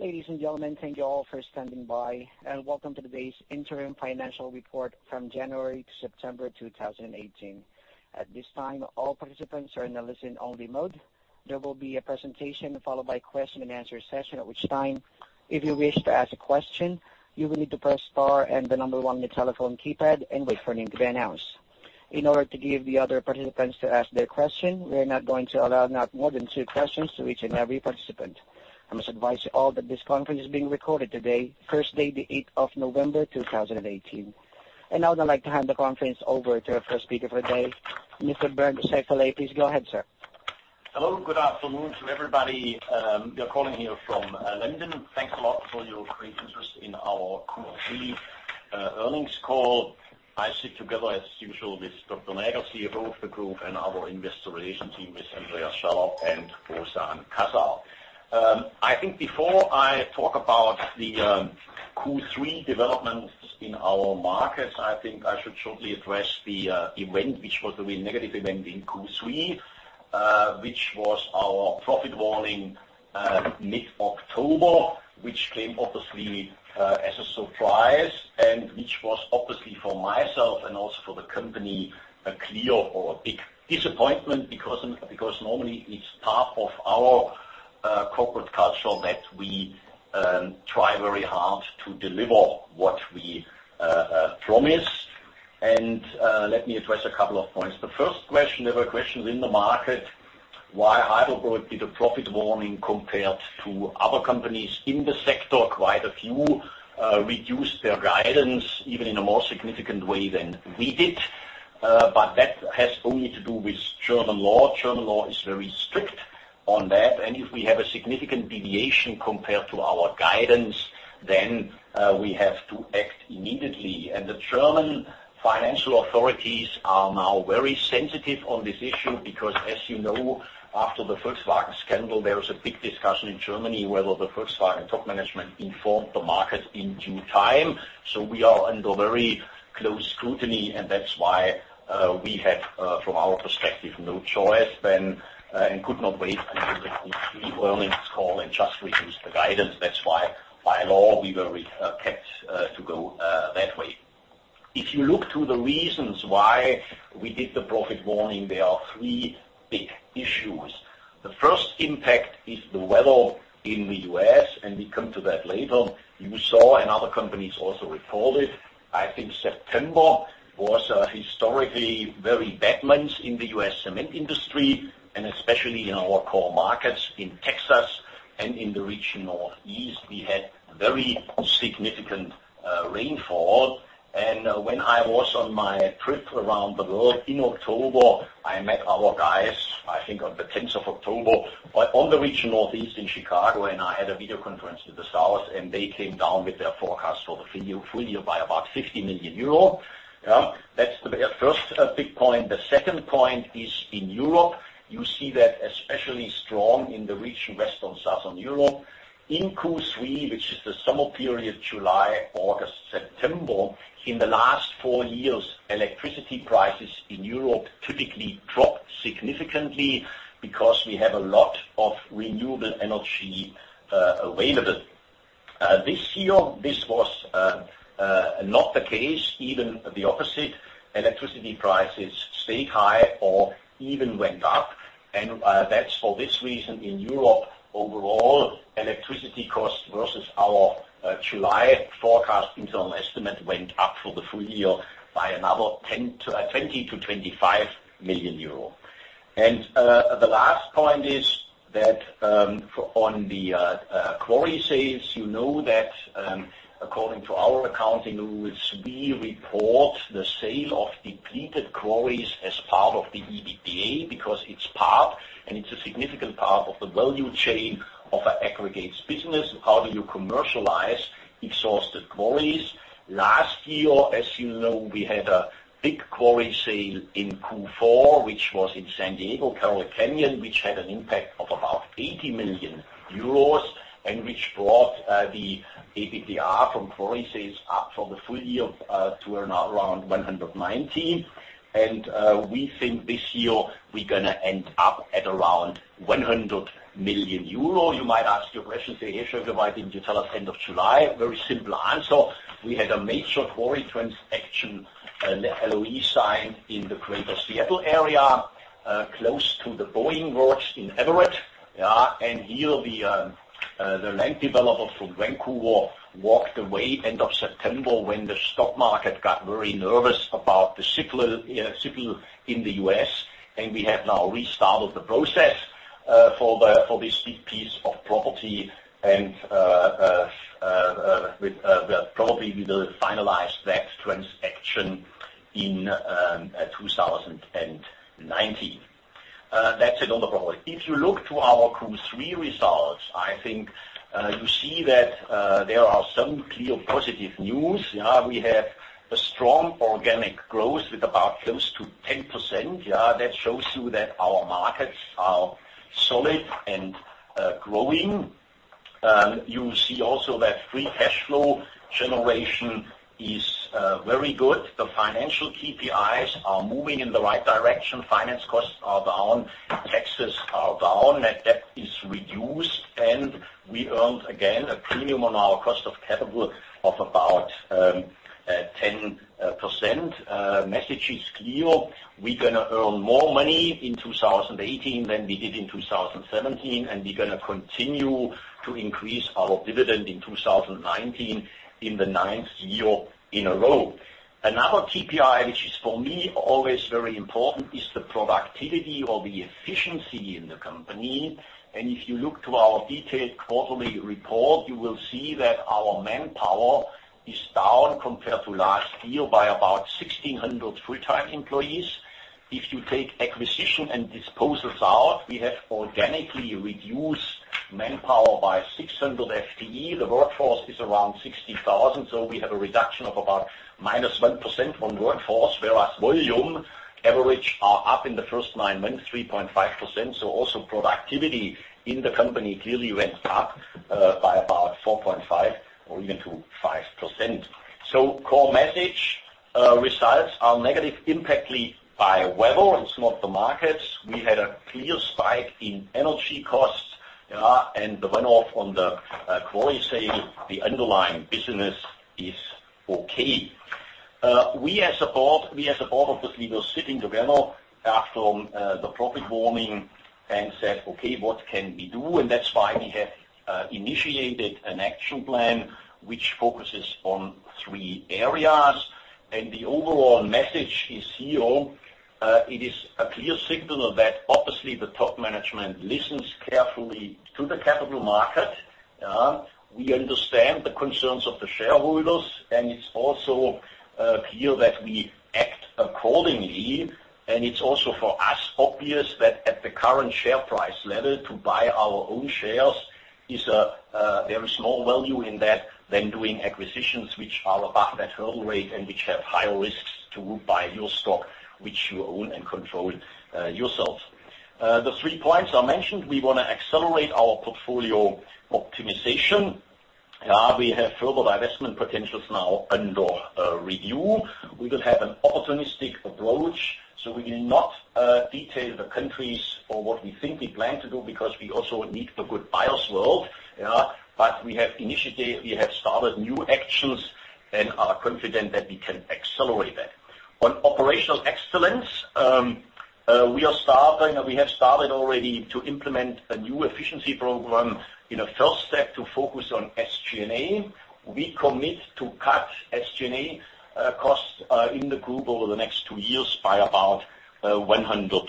Ladies and gentlemen, thank you all for standing by, and welcome to today's interim financial report from January to September 2018. At this time, all participants are in a listen-only mode. There will be a presentation followed by question and answer session. At which time, if you wish to ask a question, you will need to press star and the number one on your telephone keypad and wait for your name to be announced. In order to give the other participants to ask their question, we are not going to allow more than two questions to each and every participant. I must advise you all that this conference is being recorded today, Thursday, the 8th of November, 2018. Now I'd like to hand the conference over to our first speaker for today, Mr. Bernd Scheifele. Please go ahead, sir. Hello. Good afternoon to everybody. We are calling here from London. Thanks a lot for your great interest in our Q3 earnings call. I sit together as usual with Dr. Näger, CFO of the group, and our investor relation team with Andreas Schaller and Rosane Casal. I think before I talk about the Q3 developments in our markets, I think I should shortly address the event, which was a really negative event in Q3, which was our profit warning mid-October, which came obviously as a surprise and which was obviously for myself and also for the company a clear or a big disappointment because normally it's part of our corporate culture that we try very hard to deliver what we promise. Let me address a couple of points. The first question, there were questions in the market why Heidelberg did a profit warning compared to other companies in the sector. Quite a few reduced their guidance even in a more significant way than we did. That has only to do with German law. German law is very strict on that, and if we have a significant deviation compared to our guidance, then we have to act immediately. The German financial authorities are now very sensitive on this issue because, as you know, after the Volkswagen scandal, there was a big discussion in Germany whether the Volkswagen top management informed the market in due time. We are under very close scrutiny, and that's why we had, from our perspective, no choice then, and could not wait until the Q3 earnings call and just reduce the guidance. By law, we were kept to go that way. If you look to the reasons why we did the profit warning, there are three big issues. The first impact is the weather in the U.S., and we come to that later. You saw, and other companies also reported, I think September was a historically very bad month in the U.S. cement industry and especially in our core markets in Texas and in the region Northeast. We had very significant rainfall. When I was on my trip around the world in October, I met our guys, I think on the 10th of October, on the region Northeast in Chicago, and I had a video conference with the South, and they came down with their forecast for the full year by about 50 million euro. That's the first big point. The second point is in Europe. You see that especially strong in the region, Western Southern Europe. In Q3, which is the summer period, July, August, September, in the last four years, electricity prices in Europe typically dropped significantly because we have a lot of renewable energy available. This year, this was not the case. Even the opposite. Electricity prices stayed high or even went up. That's for this reason in Europe, overall, electricity cost versus our July forecast internal estimate went up for the full year by another 20 million-25 million euro. The last point is that on the quarry sales, you know that according to our accounting rules, we report the sale of depleted quarries as part of the EBITDA because it's part, and it's a significant part of the value chain of aggregates business. How do you commercialize exhausted quarries? Last year, as you know, we had a big quarry sale in Q4, which was in San Diego, Carroll Canyon, which had an impact of about 80 million euros and which brought the EBITDA from quarry sales up for the full year to around 190 million. We think this year we're going to end up at around 100 million euro. You might ask your question, say, "Hey, Scheifele, why didn't you tell us end of July?" Very simple answer. We had a major quarry transaction, an LOI sign in the greater Seattle area, close to the Boeing Works in Everett. Here the land developer from Vancouver walked away end of September when the stock market got very nervous about the cycle in the U.S. We have now restarted the process for this big piece of property, and probably we will finalize that transaction in 2019. That's it on the quarry. If you look to our Q3 results, I think you see that there are some clear positive news. We have a strong organic growth with about close to 10%. That shows you that our markets are solid and growing. You see also that free cash flow generation is very good. The financial KPIs are moving in the right direction. Finance costs are down. Cash assets are down, net debt is reduced, and we earned, again, a premium on our cost of capital of about 10%. Message is clear. We're going to earn more money in 2018 than we did in 2017, and we're going to continue to increase our dividend in 2019 in the ninth year in a row. Another KPI, which is for me always very important, is the productivity or the efficiency in the company. If you look to our detailed quarterly report, you will see that our manpower is down compared to last year by about 1,600 full-time employees. If you take acquisition and disposals out, we have organically reduced manpower by 600 FTE. The workforce is around 60,000, so we have a reduction of about minus 1% on workforce. Whereas volume average are up in the first nine months 3.5%. Also productivity in the company clearly went up by about 4.5% or even to 5%. Core message, results are negative impact by weather and some of the markets. We had a clear spike in energy costs, and the runoff on the quarry sale. The underlying business is okay. We as a board, obviously, we were sitting together after the profit warning and said, "Okay, what can we do?" That's why we have initiated an action plan which focuses on three areas. The overall message is here. It is a clear signal that obviously the top management listens carefully to the capital market. We understand the concerns of the shareholders. It's also clear that we act accordingly. It's also for us obvious that at the current share price level, to buy our own shares, there is more value in that than doing acquisitions which are above that hurdle rate and which have higher risks to buy your stock, which you own and control yourselves. The three points are mentioned. We want to accelerate our portfolio optimization. We have further divestment potentials now under review. We will have an opportunistic approach, we will not detail the countries or what we think we plan to do because we also need the good buyers world. We have initiated, we have started new actions and are confident that we can accelerate that. On operational excellence, we have started already to implement a new efficiency program in a first step to focus on SG&A. We commit to cut SG&A costs in the group over the next two years by about 100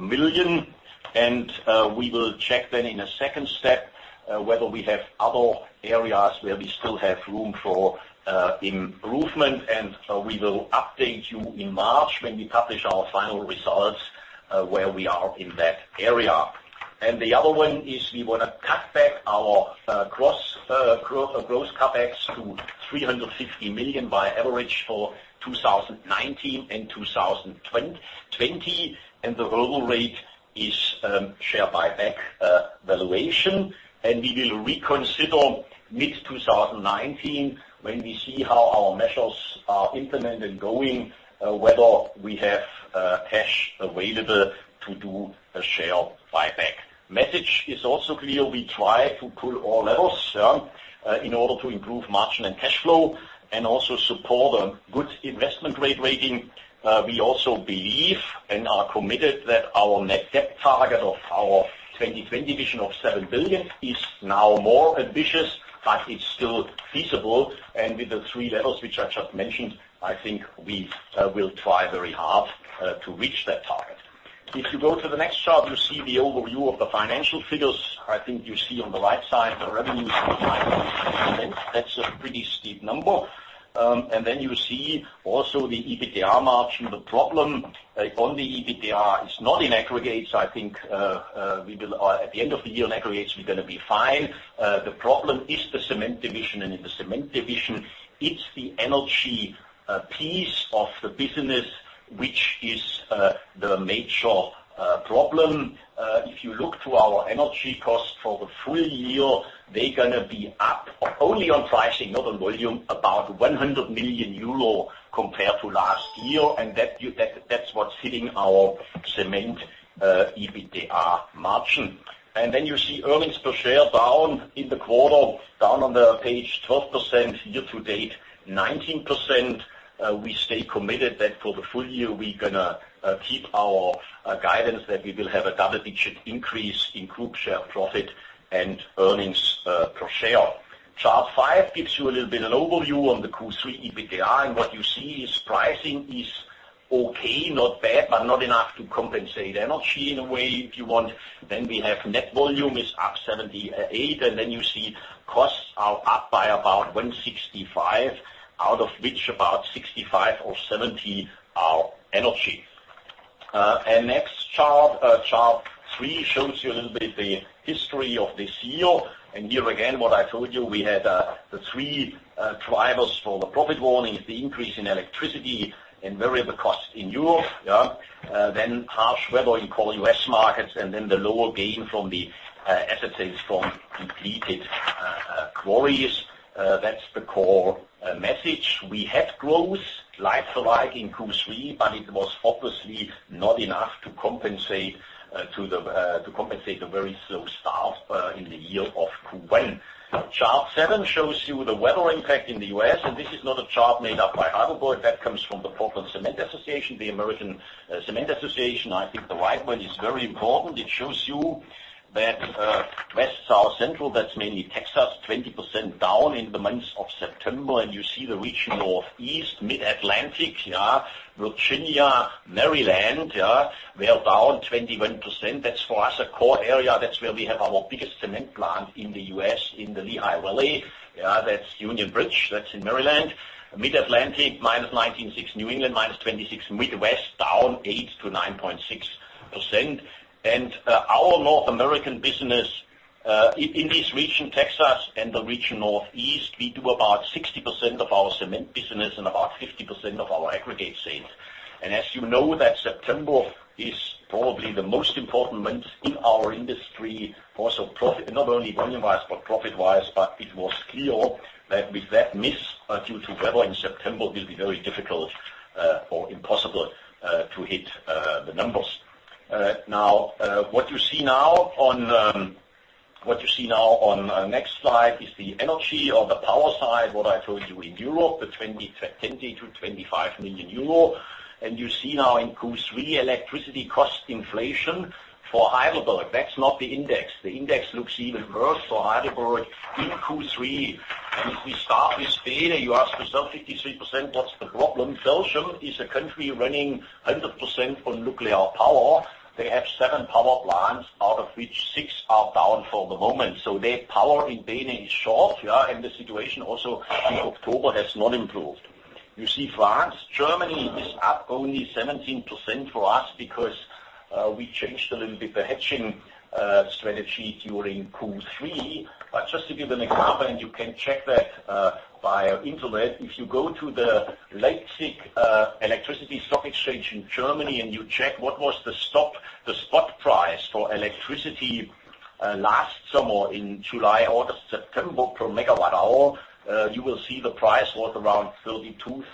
million. We will check then in a second step whether we have other areas where we still have room for improvement. We will update you in March when we publish our final results, where we are in that area. The other one is we want to cut back our gross CapEx to 350 million by average for 2019 and 2020. The hurdle rate is share buyback valuation. We will reconsider mid-2019 when we see how our measures are implemented and going, whether we have cash available to do a share buyback. Message is also clear. We try to pull all levels in order to improve margin and cash flow and also support a good investment grade rating. We also believe and are committed that our net debt target of our 2020 vision of 7 billion is now more ambitious, it's still feasible. With the three levels which I just mentioned, I think we will try very hard to reach that target. If you go to the next chart, you see the overview of the financial figures. I think you see on the right side the revenues for 9%. That's a pretty steep number. Then you see also the EBITDA margin. The problem on the EBITDA is not in aggregates. I think at the end of the year in aggregates, we're going to be fine. The problem is the cement division, and in the cement division, it's the energy piece of the business, which is the major problem. If you look to our energy cost for the full year, they're going to be up only on pricing, not on volume, about 100 million euro compared to last year. That's what's hitting our cement EBITDA margin. Then you see earnings per share down in the quarter, down on the page 12% year to date, 19%. We stay committed that for the full year, we're going to keep our guidance that we will have a double-digit increase in group share profit and earnings per share. Chart five gives you a little bit an overview on the Q3 EBITDA. What you see is pricing is okay, not bad, but not enough to compensate energy in a way if you want. We have net volume is up 78. You see costs are up by about 165, out of which about 65 or 70 are energy. Next chart three, shows you a little bit the history of this year. Here again, what I told you, we had the three drivers for the profit warnings, the increase in electricity and variable costs in Europe. Harsh weather in coal and U.S. markets, the lower gain from the asset sales from depleted quarries, that's the core message. We had growth like for like in Q3. It was obviously not enough to compensate the very slow start in the year of Q1. Chart seven shows you the weather impact in the U.S. This is not a chart made up by Heidelberg. That comes from the Portland Cement Association, the American Cement Association. I think the right one is very important. It shows you that, West South Central, that's mainly Texas, 20% down in the months of September. You see the region Northeast, Mid-Atlantic, Virginia, Maryland, were down 21%. That's for us, a core area. That's where we have our biggest cement plant in the U.S. in the Lehigh Valley. That's Union Bridge. That's in Maryland. Mid-Atlantic, -19.6%. New England, -26%. Midwest, down 8%-9.6%. Our North American business, in this region, Texas and the region Northeast, we do about 60% of our cement business and about 50% of our aggregate sales. As you know, that September is probably the most important month in our industry for not only volume-wise, but profit-wise. It was clear that with that miss, due to weather in September, it will be very difficult or impossible to hit the numbers. What you see now on the next slide is the energy or the power side, what I told you in Europe, the 20 million-25 million euro. You see now in Q3, electricity cost inflation for Heidelberg. That's not the index. The index looks even worse for Heidelberg in Q3. If we start with Spain, you ask yourself, 53%, what's the problem? Belgium is a country running 100% on nuclear power. They have seven power plants out of which six are down for the moment. Their power in Spain is short. The situation also in October has not improved. You see France, Germany is up only 17% for us because we changed a little bit the hedging strategy during Q3. Just to give an example. You can check that via internet. If you go to the Leipzig Electricity Stock Exchange in Germany and you check what was the spot price for electricity last summer in July, August, September per megawatt hour, you will see the price was around 32,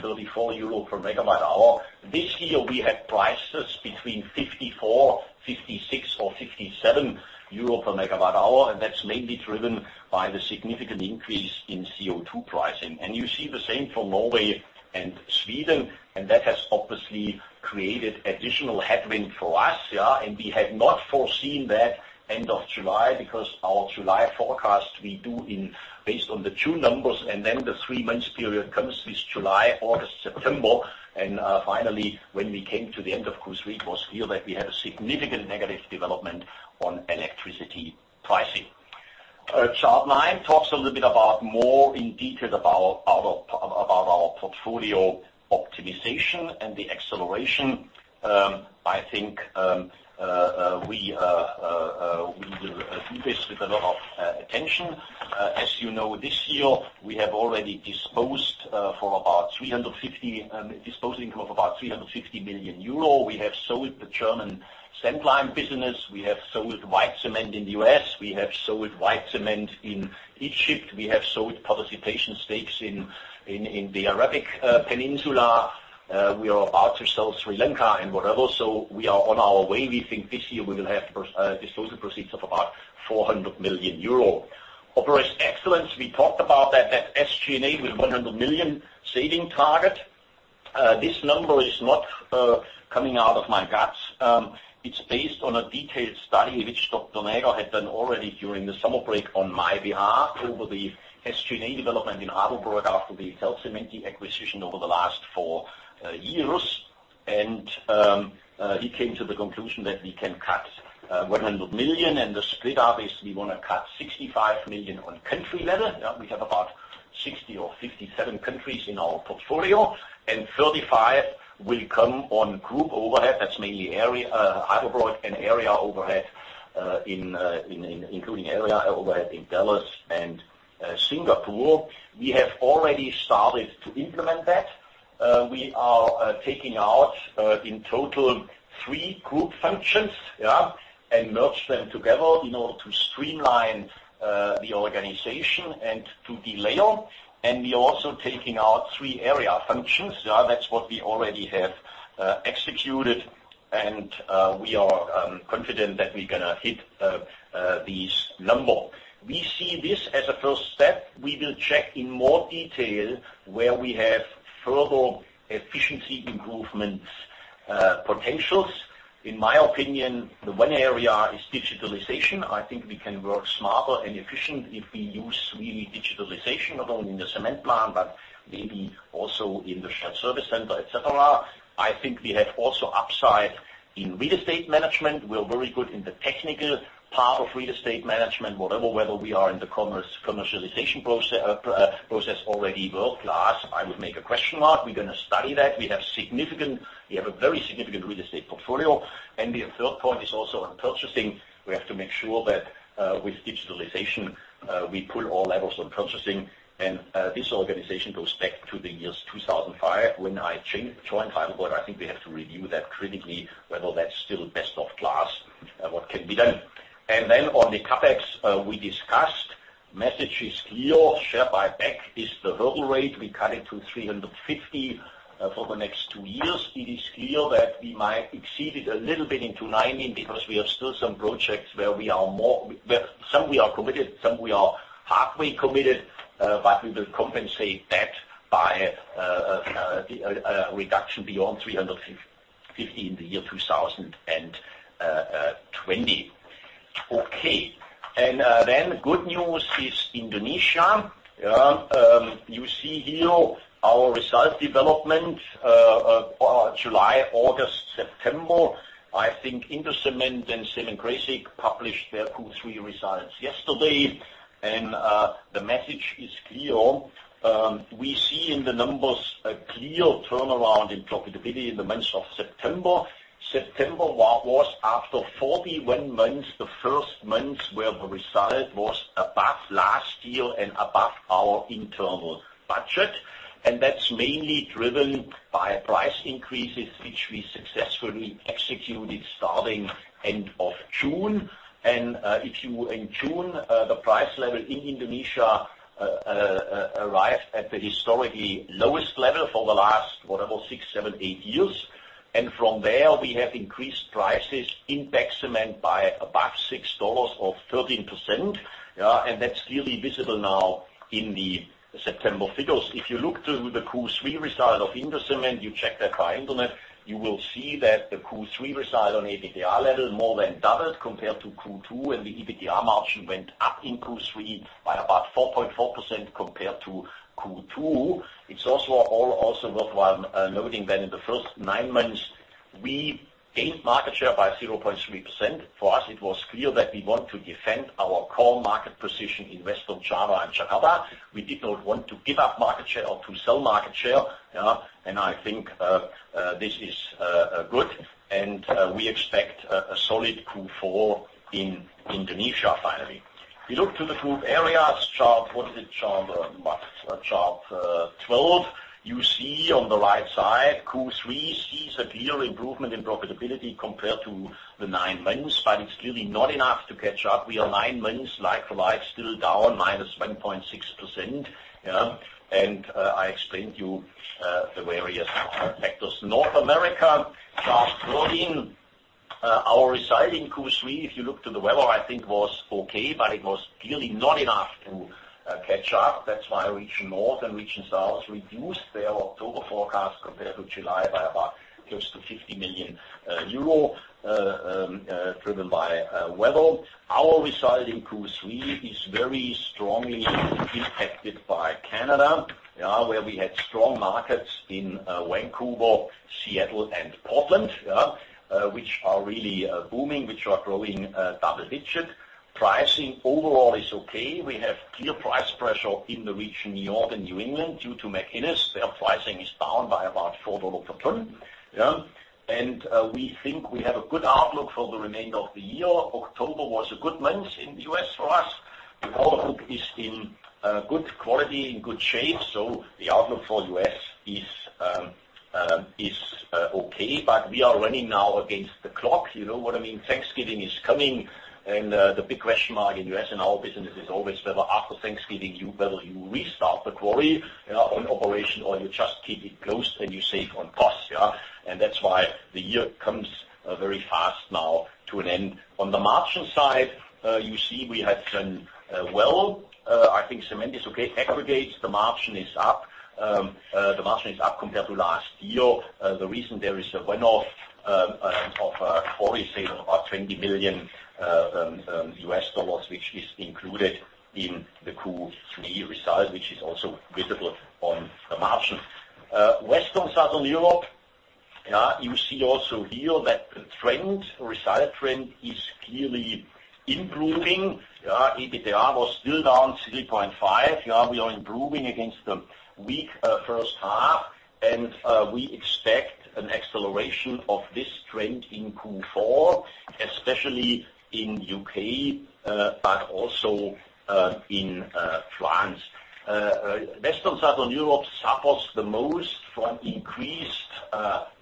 34 euro per megawatt hour. This year, we had prices between 54, 56 or 57 euro per megawatt hour. That's mainly driven by the significant increase in CO2 pricing. You see the same for Norway and Sweden, and that has obviously created additional headwind for us, and we had not foreseen that end of July because our July forecast we do based on the two numbers, and then the three months period comes this July, August, September. Finally, when we came to the end of Q3, was clear that we had a significant negative development on electricity pricing. Chart nine talks a little bit about more in detail about our portfolio optimization and the acceleration. I think we will do this with a lot of attention. As you know, this year, we have already disposed income of about 350 million euro. We have sold the German sand line business. We have sold white cement in the U.S. We have sold white cement in Egypt. We have sold participation stakes in the Arabic peninsula. We are about to sell Sri Lanka and whatever. We are on our way. We think this year we will have disposal proceeds of about 400 million euro. Operating excellence, we talked about that SG&A with 100 million saving target. This number is not coming out of my guts. It is based on a detailed study, which Dr. Näger had done already during the summer break on my behalf over the SG&A development in Heidelberg after the Italcementi acquisition over the last four years. He came to the conclusion that we can cut 100 million, and the split up is we want to cut 65 million on country level. We have about 60 or 57 countries in our portfolio, and 35 million will come on group overhead. That is mainly Heidelberg and area overhead, including area overhead in Dallas and Singapore. We have already started to implement that. We are taking out, in total, three group functions, and merge them together in order to streamline the organization and to delever. We are also taking out three area functions. That is what we already have executed, and we are confident that we are going to hit this number. We see this as a first step. We will check in more detail where we have further efficiency improvements potentials. In my opinion, the one area is digitalization. I think we can work smarter and efficient if we use really digitalization, not only in the cement plant, but maybe also in the shared service center, et cetera. I think we have also upside in real estate management. We are very good in the technical part of real estate management, whatever, whether we are in the commercialization process already world-class, I would make a question mark. We are going to study that. We have a very significant real estate portfolio. The third point is also on purchasing. We have to make sure that with digitalization, we pull all levels on purchasing. This organization goes back to the years 2005 when I joined Heidelberg. I think we have to review that critically, whether that is still best of class and what can be done. On the CapEx, we discussed. Message is clear, share buyback is the hurdle rate. We cut it to 350 for the next two years. It is clear that we might exceed it a little bit in 2019, because we have still some projects where some we are committed, some we are halfway committed, but we will compensate that by a reduction beyond 350 in the year 2020. Good news is Indonesia. You see here our result development for July, August, September. I think Indocement and Semen Gresik published their Q3 results yesterday, the message is clear. We see in the numbers a clear turnaround in profitability in the month of September. September was after 41 months, the first month where the result was above last year and above our internal budget. That's mainly driven by price increases, which we successfully executed starting end of June. If you, in June, the price level in Indonesia arrived at the historically lowest level for the last, what about six, seven, eight years. From there, we have increased prices in bag cement by about $6 or 13%, that's clearly visible now in the September figures. If you look to the Q3 result of Indocement, you check that by internet, you will see that the Q3 result on EBITDA level more than doubled compared to Q2, the EBITDA margin went up in Q3 by about 4.4% compared to Q2. It's also worthwhile noting that in the first nine months, we gained market share by 0.3%. For us, it was clear that we want to defend our core market position in Western Java and Jakarta. We did not want to give up market share or to sell market share. I think this is good, we expect a solid Q4 in Indonesia, finally. If you look to the group areas, chart, what is it, chart what? Chart 12. You see on the right side, Q3 sees a clear improvement in profitability compared to the nine months, it's clearly not enough to catch up. We are nine months like for like still down -1.6%. I explained to you the various factors. North America, chart 14. Our result in Q3, if you look to the weather, I think was okay, it was clearly not enough to catch up. That's why region North and region South reduced their October forecast compared to July by about close to 50 million euro, driven by weather. Our result in Q3 is very strongly impacted by Canada, where we had strong markets in Vancouver, Seattle, and Portland, which are really booming, which are growing double-digit. Pricing overall is okay. We have clear price pressure in the region North and New England due to McInnis. Their pricing is down by about $4 per ton. We think we have a good outlook for the remainder of the year. October was a good month in the U.S. for us. The order book is in good quality, in good shape, the outlook for U.S. is okay, we are running now against the clock. You know what I mean? Thanksgiving is coming, the big question mark in U.S. in our business is always whether after Thanksgiving, whether you restart the quarry on operation or you just keep it closed and you save on costs. That's why the year comes very fast now to an end. On the margin side, you see we have done well. I think cement is okay. Aggregates, the margin is up. The margin is up compared to last year. The reason there is a one-off of a quarry sale of about $20 million, which is included in the Q3 result, which is also visible on the margin. Western Southern Europe. You see also here that the trend, result trend is clearly improving. EBITDA was still down 3.5%. We are improving against the weak first half. We expect an acceleration of this trend in Q4, especially in U.K., but also in France. Western Southern Europe suffers the most from increased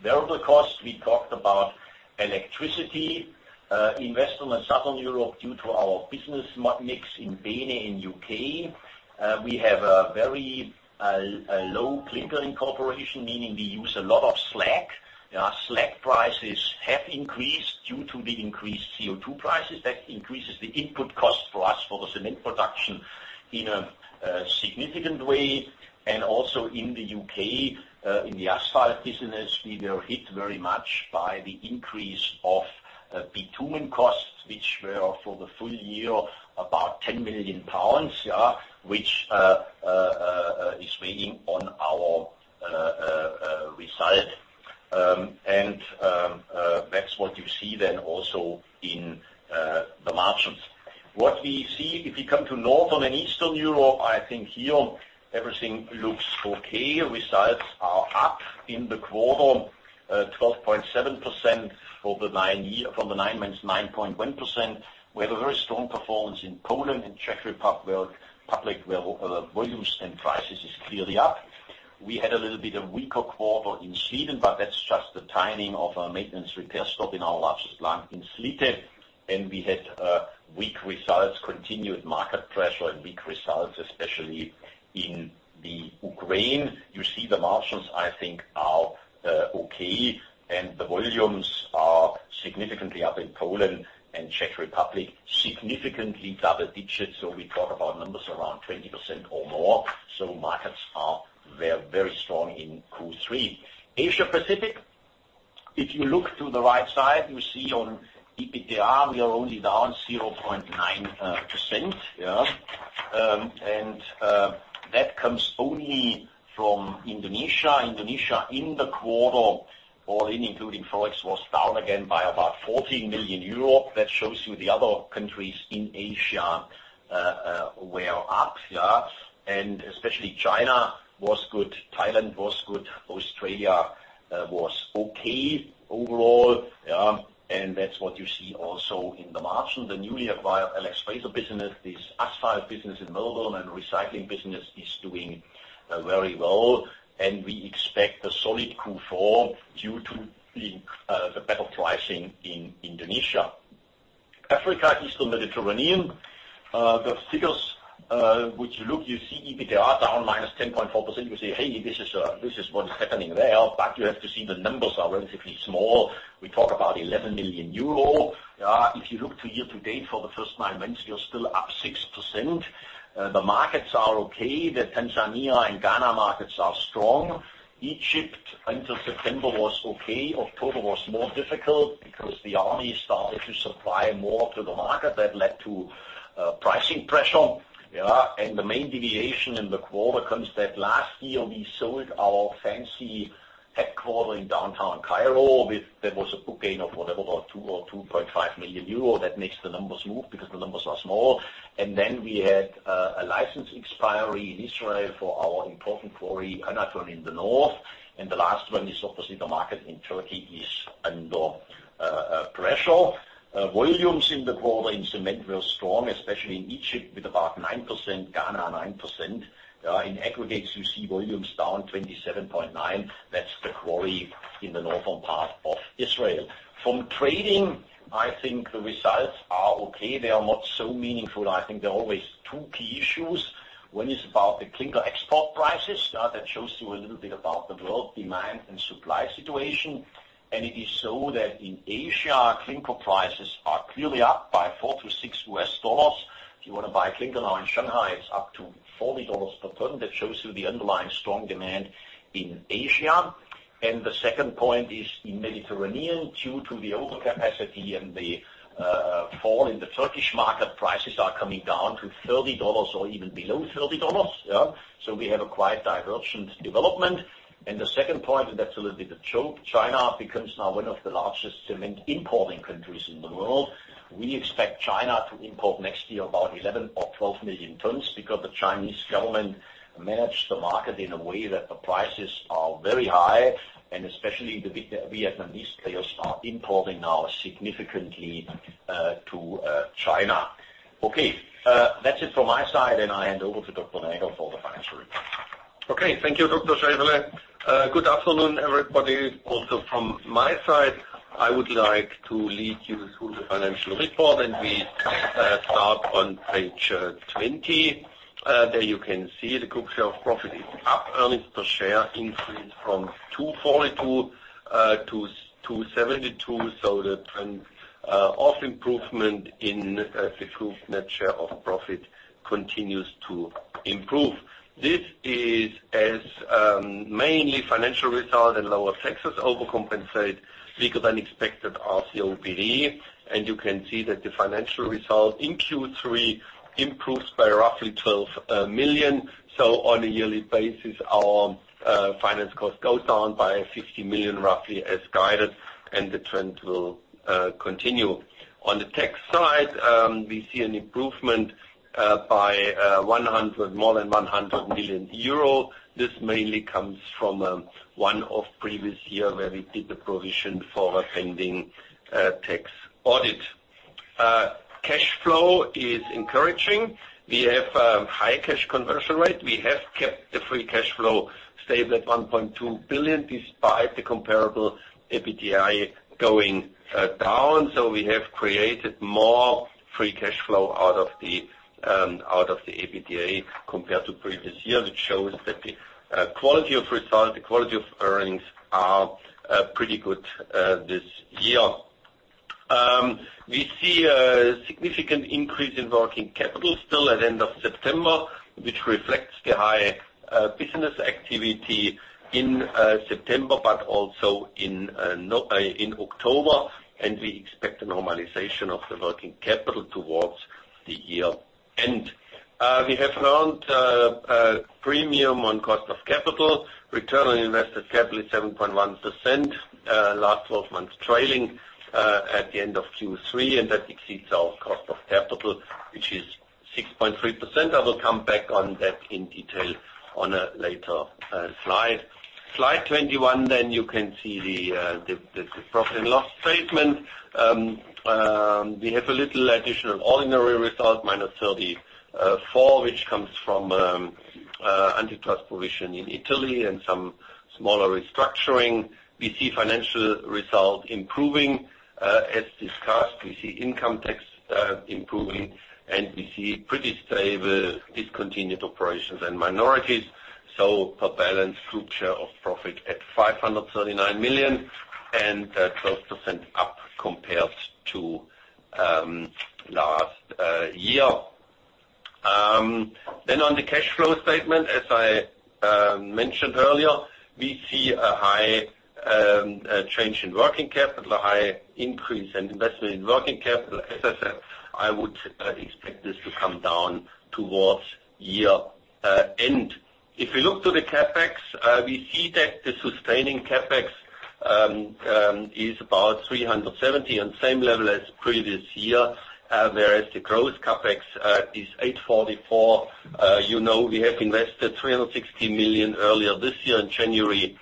variable costs. We talked about electricity in Western and Southern Europe due to our business mix in Spain and U.K. We have a very low clinker incorporation, meaning we use a lot of slag. Slag prices have increased due to the increased CO2 prices. That increases the input cost for us for the cement production in a significant way. Also in the U.K., in the asphalt business, we were hit very much by the increase of bitumen costs, which were for the full year, about 10 million pounds, which is weighing on our result. That's what you see then also in the margins. What we see, if you come to Northern and Eastern Europe, I think here everything looks okay. Results are up in the quarter 12.7% from the nine months, 9.1%. We have a very strong performance in Poland and Czech Republic, where volumes and prices is clearly up. We had a little bit of weaker quarter in Sweden, but that's just the timing of our maintenance repair stop in our largest plant in Slite. We had weak results, continued market pressure, and weak results, especially in the Ukraine. You see the margins, I think, are okay, and the volumes are significantly up in Poland and Czech Republic, significantly double digits. We talk about numbers around 20% or more. Markets are very strong in Q3. Asia Pacific, if you look to the right side, you see on EBITDA, we are only down 0.9%. That comes only from Indonesia. Indonesia in the quarter, all-in including ForEx, was down again by about 14 million euro. That shows you the other countries in Asia were up. Especially China was good, Thailand was good, Australia was okay overall. That's what you see also in the margin. The newly acquired Alex Fraser business, this asphalt business in Melbourne and recycling business is doing very well, and we expect a solid Q4 due to the better pricing in Indonesia. Africa, Eastern Mediterranean. The figures, which you look, you see EBITDA down -10.4%. You say, "Hey, this is what's happening there." You have to see the numbers are relatively small. We talk about 11 million euro. If you look to year to date for the first nine months, you're still up 6%. The markets are okay. The Tanzania and Ghana markets are strong. Egypt until September was okay. October was more difficult because the army started to supply more to the market, that led to pricing pressure. The main deviation in the quarter comes that last year we sold our fancy headquarter in downtown Cairo. That was a book gain of whatever, 2 million or 2.5 million euro. That makes the numbers move because the numbers are small. Then we had a license expiry in Israel for our important quarry, Hanaton, in the north. The last one is obviously the market in Turkey is under pressure. Volumes in the quarter in cement were strong, especially in Egypt with about 9%, Ghana 9%. In aggregates, you see volumes down 27.9%. That's the quarry in the northern part of Israel. From trading, I think the results are okay. They are not so meaningful. I think there are always two key issues. One is about the clinker export prices. That shows you a little bit about the world demand and supply situation. It is so that in Asia, clinker prices are clearly up by $4-$6. If you want to buy clinker now in Shanghai, it's up to $40 per ton. That shows you the underlying strong demand in Asia. The second point is in Mediterranean, due to the overcapacity and the fall in the Turkish market, prices are coming down to $30 or even below $30. Yeah. We have a quite divergent development. The second point, and that's a little bit a choke. China becomes now one of the largest cement importing countries in the world. We expect China to import next year about 11 or 12 million tons because the Chinese government managed the market in a way that the prices are very high, and especially the Vietnamese players are importing now significantly to China. Okay. That's it from my side, and I hand over to Dr. Näger for the financial report. Okay. Thank you, Dr. Scheifele. Good afternoon, everybody. Also, from my side, I would like to lead you through the financial report. We start on page 20. There you can see the group share of profit is up. Earnings per share increased from 2.42-2.72. The trend of improvement in the group net share of profit continues to improve. This is as mainly financial result and lower taxes overcompensate weaker than expected RCOBD. You can see that the financial result in Q3 improves by roughly 12 million. On a yearly basis, our finance cost goes down by 50 million, roughly as guided. The trend will continue. On the tax side, we see an improvement by more than 100 million euro. This mainly comes from one-off previous year where we did a provision for a pending tax audit. Cash flow is encouraging. We have a high cash conversion rate. We have kept the free cash flow stable at 1.2 billion, despite the comparable EBITDA going down. We have created more free cash flow out of the EBITDA compared to previous year, which shows that the quality of result, the quality of earnings are pretty good this year. We see a significant increase in working capital still at end of September, which reflects the high business activity in September, but also in October. We expect a normalization of the working capital towards the year-end. We have earned a premium on cost of capital. Return on invested capital is 7.1% last 12 months trailing at the end of Q3, and that exceeds our cost of capital, which is 6.3%. I will come back on that in detail on a later slide. Slide 21, you can see the profit and loss statement. We have a little additional ordinary result, minus 34, which comes from antitrust provision in Italy and some smaller restructuring. We see financial result improving. As discussed, we see income tax improving, and we see pretty stable discontinued operations and minorities. Per balance, good share of profit at 539 million and 12% up compared to last year. On the cash flow statement, as I mentioned earlier, we see a high change in working capital, a high increase in investment in working capital. As I said, I would expect this to come down towards year end. If we look to the CapEx, we see that the sustaining CapEx is about 370 and same level as previous year, whereas the growth CapEx is 844. You know we have invested 360 million earlier this year in January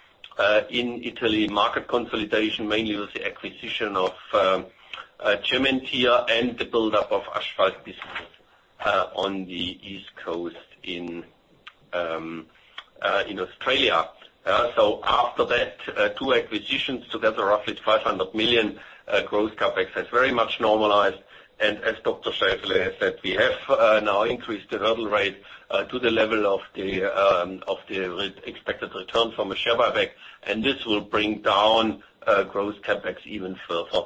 in Italy. Market consolidation mainly was the acquisition of Cementir and the buildup of asphalt business on the East Coast in Australia. After that two acquisitions, together roughly 500 million growth CapEx has very much normalized. As Dr. Scheifele has said, we have now increased the hurdle rate to the level of the expected return from a share buyback, and this will bring down growth CapEx even further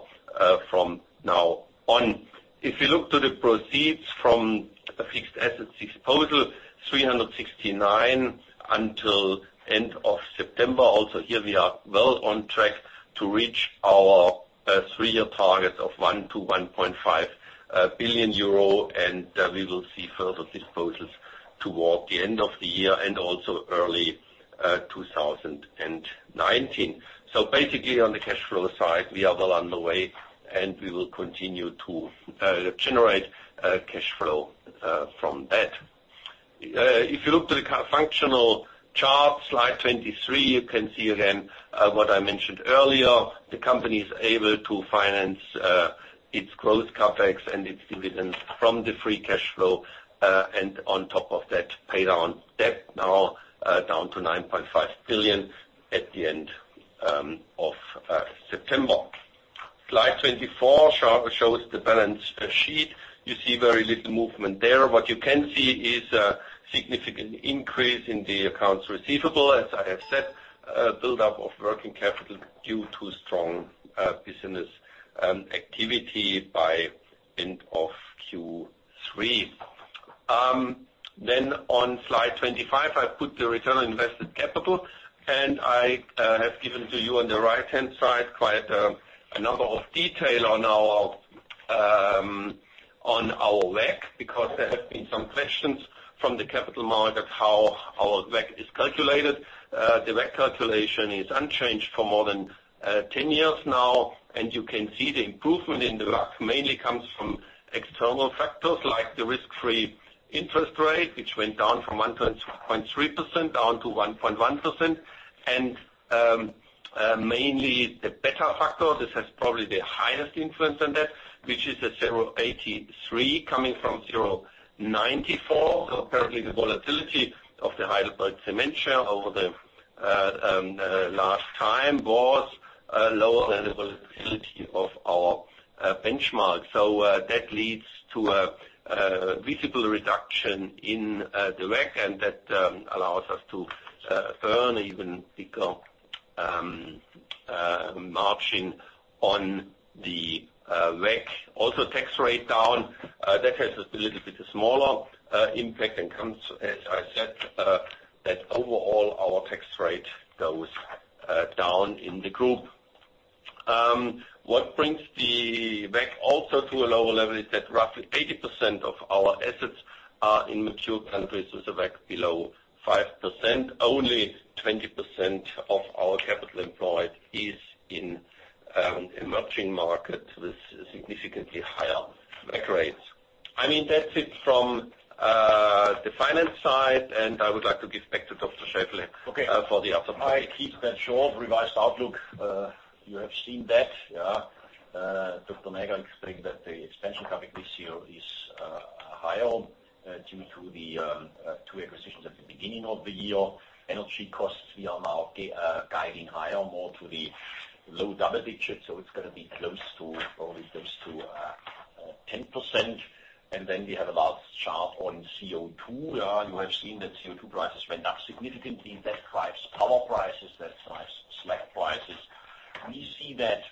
from now on. If you look to the proceeds from fixed asset disposal, 369 until end of September. Also here we are well on track to reach our three-year target of 1 billion-1.5 billion euro, and we will see further disposals toward the end of the year and also early 2019. Basically, on the cash flow side, we are well underway, and we will continue to generate cash flow from that. If you look to the functional chart, slide 23, you can see again what I mentioned earlier. The company is able to finance its growth CapEx and its dividends from the free cash flow. On top of that, pay down debt now down to 9.5 billion at the end of September. Slide 24 shows the balance sheet. You see very little movement there. What you can see is a significant increase in the accounts receivable, as I have said, buildup of working capital due to strong business activity by end of Q3. On slide 25, I put the return on invested capital, and I have given to you on the right-hand side quite a number of detail on our WACC, because there have been some questions from the capital market how our WACC is calculated. The WACC calculation is unchanged for more than 10 years now, you can see the improvement in the WACC mainly comes from external factors like the risk-free interest rate, which went down from 1.3% down to 1.1%. Mainly the beta factor. This has probably the highest influence on that, which is a 0.83 coming from 0.94. Apparently the volatility of the HeidelbergCement share over the last time was lower than the volatility of our benchmark. That leads to a visible reduction in the WACC, and that allows us to earn even bigger margin on the WACC. Also, tax rate down. That has a little bit smaller impact and comes, as I said, that overall our tax rate goes down in the group. What brings the WACC also to a lower level is that roughly 80% of our assets are in mature countries with a WACC below 5%. Only 20% of our capital employed is in emerging markets with significantly higher WACC rates. I mean, that's it from the finance side, and I would like to give back to Dr. Scheifele. Okay. For the other part. I keep that short. Revised outlook, you have seen that. Dr. Näger explained that the expansion CapEx this year is higher due to the two acquisitions at the beginning of the year. Energy costs, we are now guiding higher, more to the low double digits, so it's going to be close to 10%. We have a last chart on CO2. You have seen that CO2 prices went up significantly. That drives power prices. That drives slag prices. We see that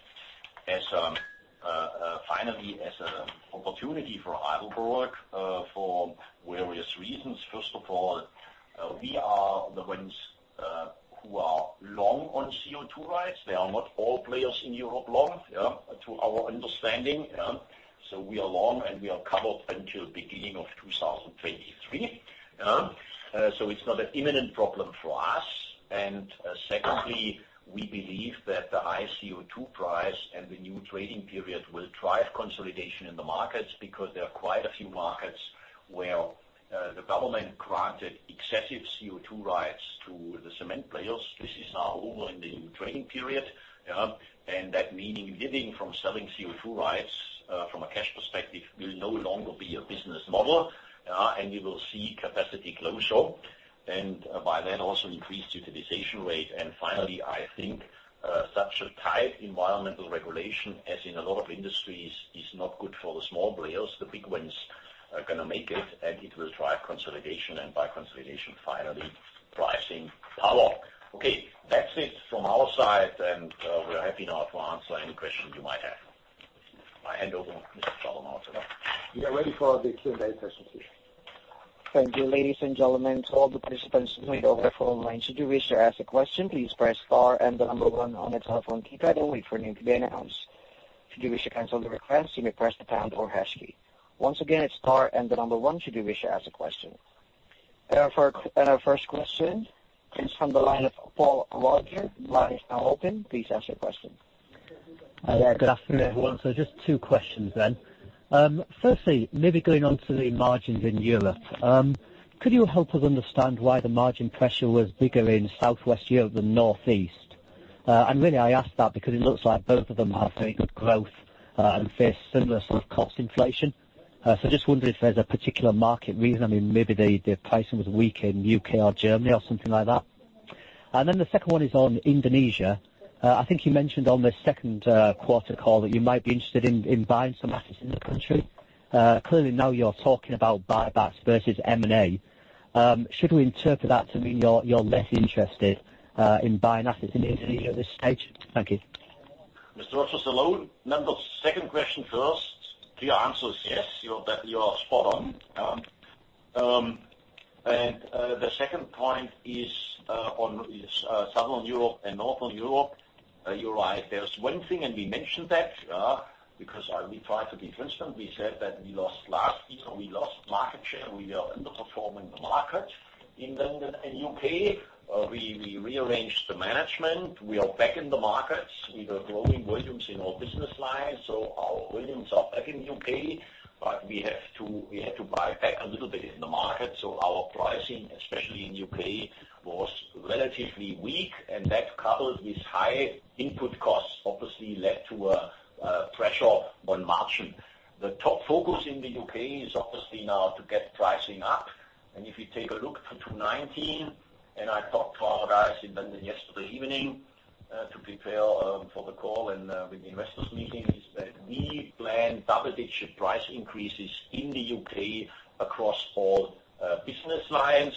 finally as an opportunity for Heidelberg for various reasons. First of all, we are the ones who are long on CO2 rights. They are not all players in Europe long, to our understanding. We are long, and we are covered until beginning of 2023. It's not an imminent problem for us. Secondly, we believe that the high CO2 price and the new trading period will drive consolidation in the markets because there are quite a few markets where the government granted excessive CO2 rights to the cement players. This is now over in the new trading period, and that meaning living from selling CO2 rights from a cash perspective will no longer be a business model, and you will see capacity closure, and by then also increased utilization rate. Finally, I think such a tight environmental regulation as in a lot of industries is not good for the small players. The big ones are going to make it, and it will drive consolidation, and by consolidation, finally, pricing power. Okay. That's it from our side, and we're happy now to answer any questions you might have. I hand over to Mr. Salomon. We are ready for the Q&A session, please. Thank you, ladies and gentlemen. To all the participants joined over phone line, should you wish to ask a question, please press star and the number one on the telephone keypad and wait for your name to be announced. Should you wish to cancel the request, you may press the pound or hash key. Once again, it's star and the number one should you wish to ask a question. Our first question is from the line of Paul Roger. Line is now open. Please ask your question. Good afternoon, everyone. Just two questions then. Firstly, maybe going on to the margins in Europe. Could you help us understand why the margin pressure was bigger in Southwest Europe than Northeast? I really ask that because it looks like both of them have very good growth and face similar sort of cost inflation. Just wondered if there's a particular market reason. Maybe the pricing was weak in U.K. or Germany or something like that. Then the second one is on Indonesia. I think you mentioned on the second quarter call that you might be interested in buying some assets in the country. Clearly, now you're talking about buybacks versus M&A. Should we interpret that to mean you're less interested in buying assets in Indonesia at this stage? Thank you. Mr. Roger, hello. Second question first. The answer is yes. You are spot on. The second point is on Southern Europe and Northern Europe. You're right. There's one thing, and we mentioned that, because we try to be transparent. We said that last season, we lost market share. We are underperforming the market in U.K. We rearranged the management. We are back in the markets. We are growing volumes in our business lines, our volumes are back in U.K., but we had to buy back a little bit in the market. Our pricing, especially in U.K., was relatively weak, and that coupled with high input costs, obviously led to a pressure on margin. The top focus in the U.K. is obviously now to get pricing up. If you take a look for 2019, I talked to our guys in London yesterday evening to prepare for the call and with the investors meetings, that we plan double-digit price increases in the U.K. across all business lines.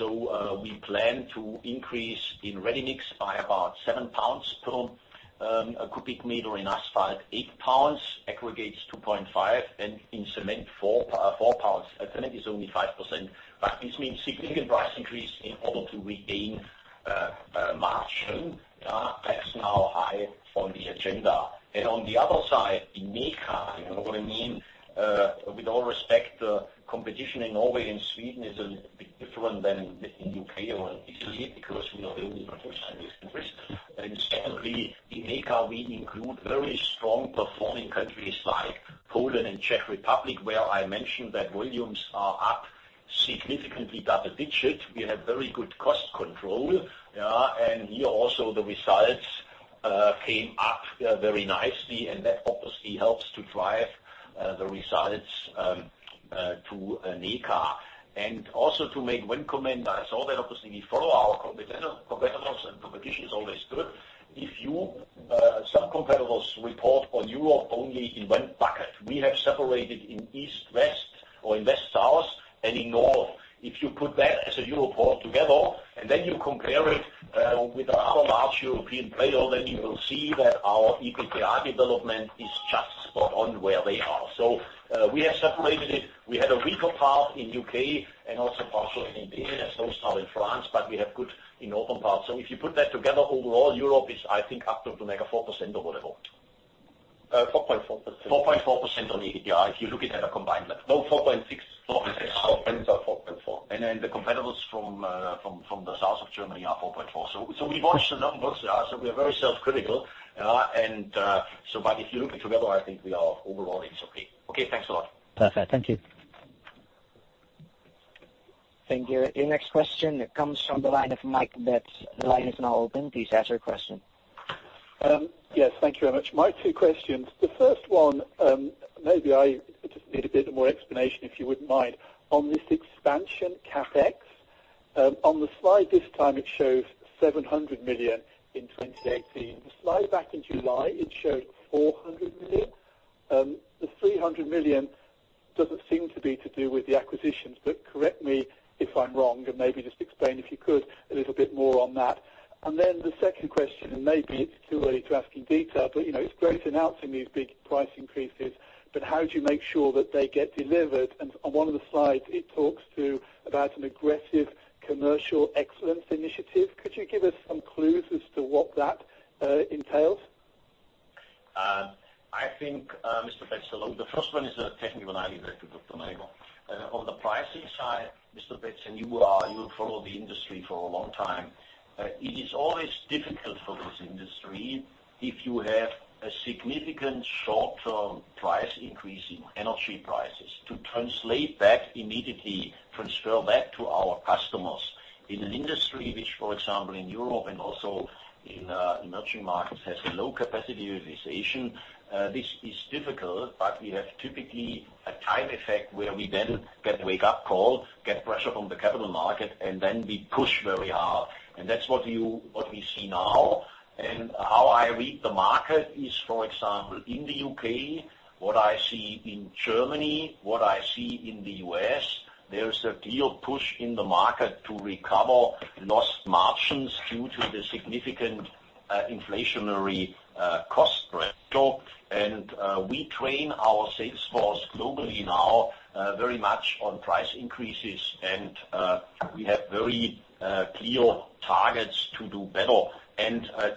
We plan to increase in ready-mix by about 7 pounds per cubic meter, in asphalt 8 pounds, aggregates 2.5, and in cement 4 pounds. Cement is only 5%, but this means significant price increase in order to regain margin. That is now high on the agenda. On the other side, in MECA, you know what I mean, with all respect, competition in Norway and Sweden is a little bit different than in U.K. or in PC because we are the only producer in these countries. Secondly, in MECA, we include very strong performing countries like Poland and Czech Republic, where I mentioned that volumes are up significantly, double digits. We have very good cost control. Here also the results came up very nicely, and that obviously helps to drive the results to MECA. Also to make one comment, I saw that obviously we follow our competitors. Competition is always good. Some competitors report on Europe only in one bucket. We have separated in East, West or in West, South and in North. If you put that as a Europe all together, then you compare it with other large European player, then you will see that our EBITDA development is just spot on where they are. We have separated it. We had a weaker part in U.K. and also partially in India, and also now in France, but we have good in open parts. If you put that together, overall Europe is, I think up to like 4% or whatever. 4.4%. 4.4% on EBITDA, if you look it at a combined level. No, 4.6%. Competitors are 4.4%. Then the competitors from the South of Germany are 4.4%. We watch the numbers. We are very self-critical. But if you look it together, I think we are overall it is okay. Okay, thanks a lot. Perfect. Thank you. Thank you. Your next question comes from the line of Mike Betts. The line is now open. Please ask your question. Yes. Thank you very much. My two questions. The first one, maybe I just need a bit more explanation, if you wouldn't mind. On this expansion CapEx, on the slide this time it shows 700 million in 2018. The slide back in July, it showed 400 million. The 300 million doesn't seem to be to do with the acquisitions, but correct me if I'm wrong, and maybe just explain, if you could, a little bit more on that. Then the second question, maybe it's too early to ask in detail, but it's great announcing these big price increases, but how do you make sure that they get delivered? On one of the slides, it talks to about an aggressive commercial excellence initiative. Could you give us some clues as to what that entails? I think, Mr. Betts, hello. The first one is a technicality that we could enable. On the pricing side, Mr. Betts, you followed the industry for a long time, it is always difficult for this industry if you have a significant short-term price increase in energy prices to translate that immediately, transfer that to our customers. In an industry which, for example, in Europe and also in emerging markets, has a low capacity utilization, this is difficult, we have typically a time effect where we then get a wake-up call, get pressure from the capital market, and then we push very hard. That's what we see now. How I read the market is, for example, in the U.K., what I see in Germany, what I see in the U.S., there is a real push in the market to recover lost margins due to the significant inflationary cost rental. We train our sales force globally now very much on price increases, and we have very clear targets to do better.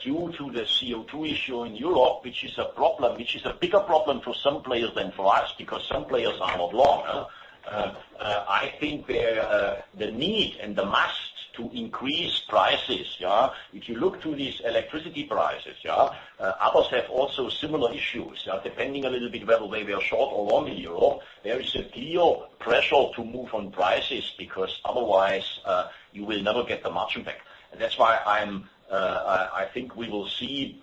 Due to the CO2 issue in Europe, which is a bigger problem for some players than for us, because some players are not long. I think the need and the must to increase prices. If you look to these electricity prices, others have also similar issues. Depending a little bit whether they are short or long in Euro, there is a real pressure to move on prices, because otherwise, you will never get the margin back. That's why I think we will see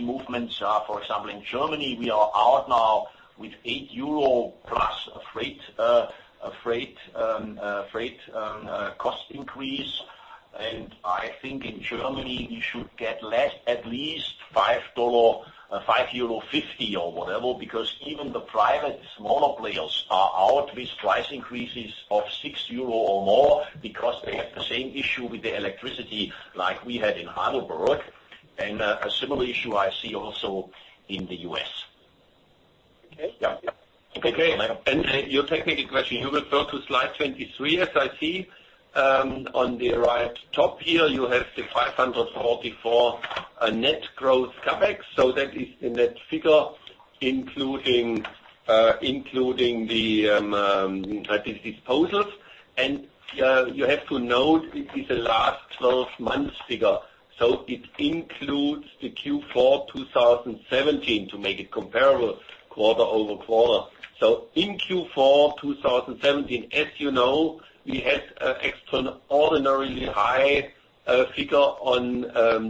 movements. For example, in Germany, we are out now with 8 euro plus freight cost increase. I think in Germany, we should get at least 5.50 euro or whatever, because even the private smaller players are out with price increases of 6 euro or more because they have the same issue with the electricity like we had in Heidelberg, and a similar issue I see also in the U.S. Okay. Yeah. Okay. Your technical question, you refer to slide 23, as I see. On the right top here, you have the 544 net growth CapEx. That is in that figure, including these disposals. You have to note this is the last 12 months figure. It includes the Q4 2017 to make it comparable quarter-over-quarter. In Q4 2017, as you know, we had extraordinarily high figure on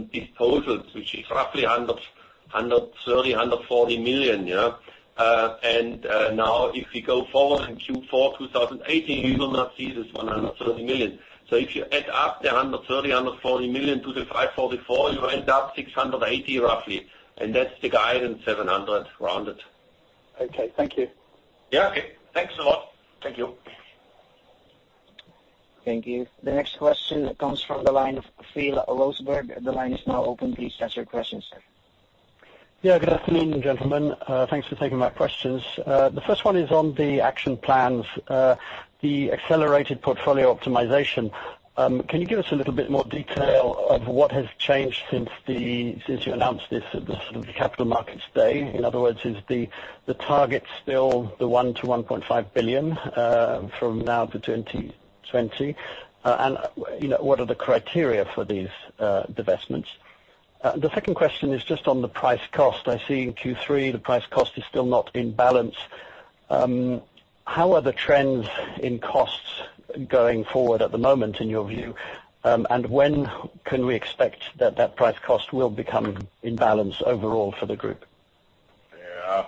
disposals, which is roughly 130 million-140 million. Now if we go forward in Q4 2018, you will not see this 130 million. If you add up the 130 million-140 million to the 544, you end up 680 roughly, and that's the guidance, 700 rounded. Okay. Thank you. Yeah, okay. Thanks a lot. Thank you. Thank you. The next question comes from the line of Phil Roseberg. The line is now open. Please ask your question, sir. Yeah. Good afternoon, gentlemen. Thanks for taking my questions. The first one is on the action plans, the accelerated portfolio optimization. Can you give us a little bit more detail of what has changed since you announced this at the capital markets day? What are the criteria for these divestments? The second question is just on the price cost. I see in Q3, the price cost is still not in balance. How are the trends in costs going forward at the moment in your view, and when can we expect that price cost will become in balance overall for the group? Yeah.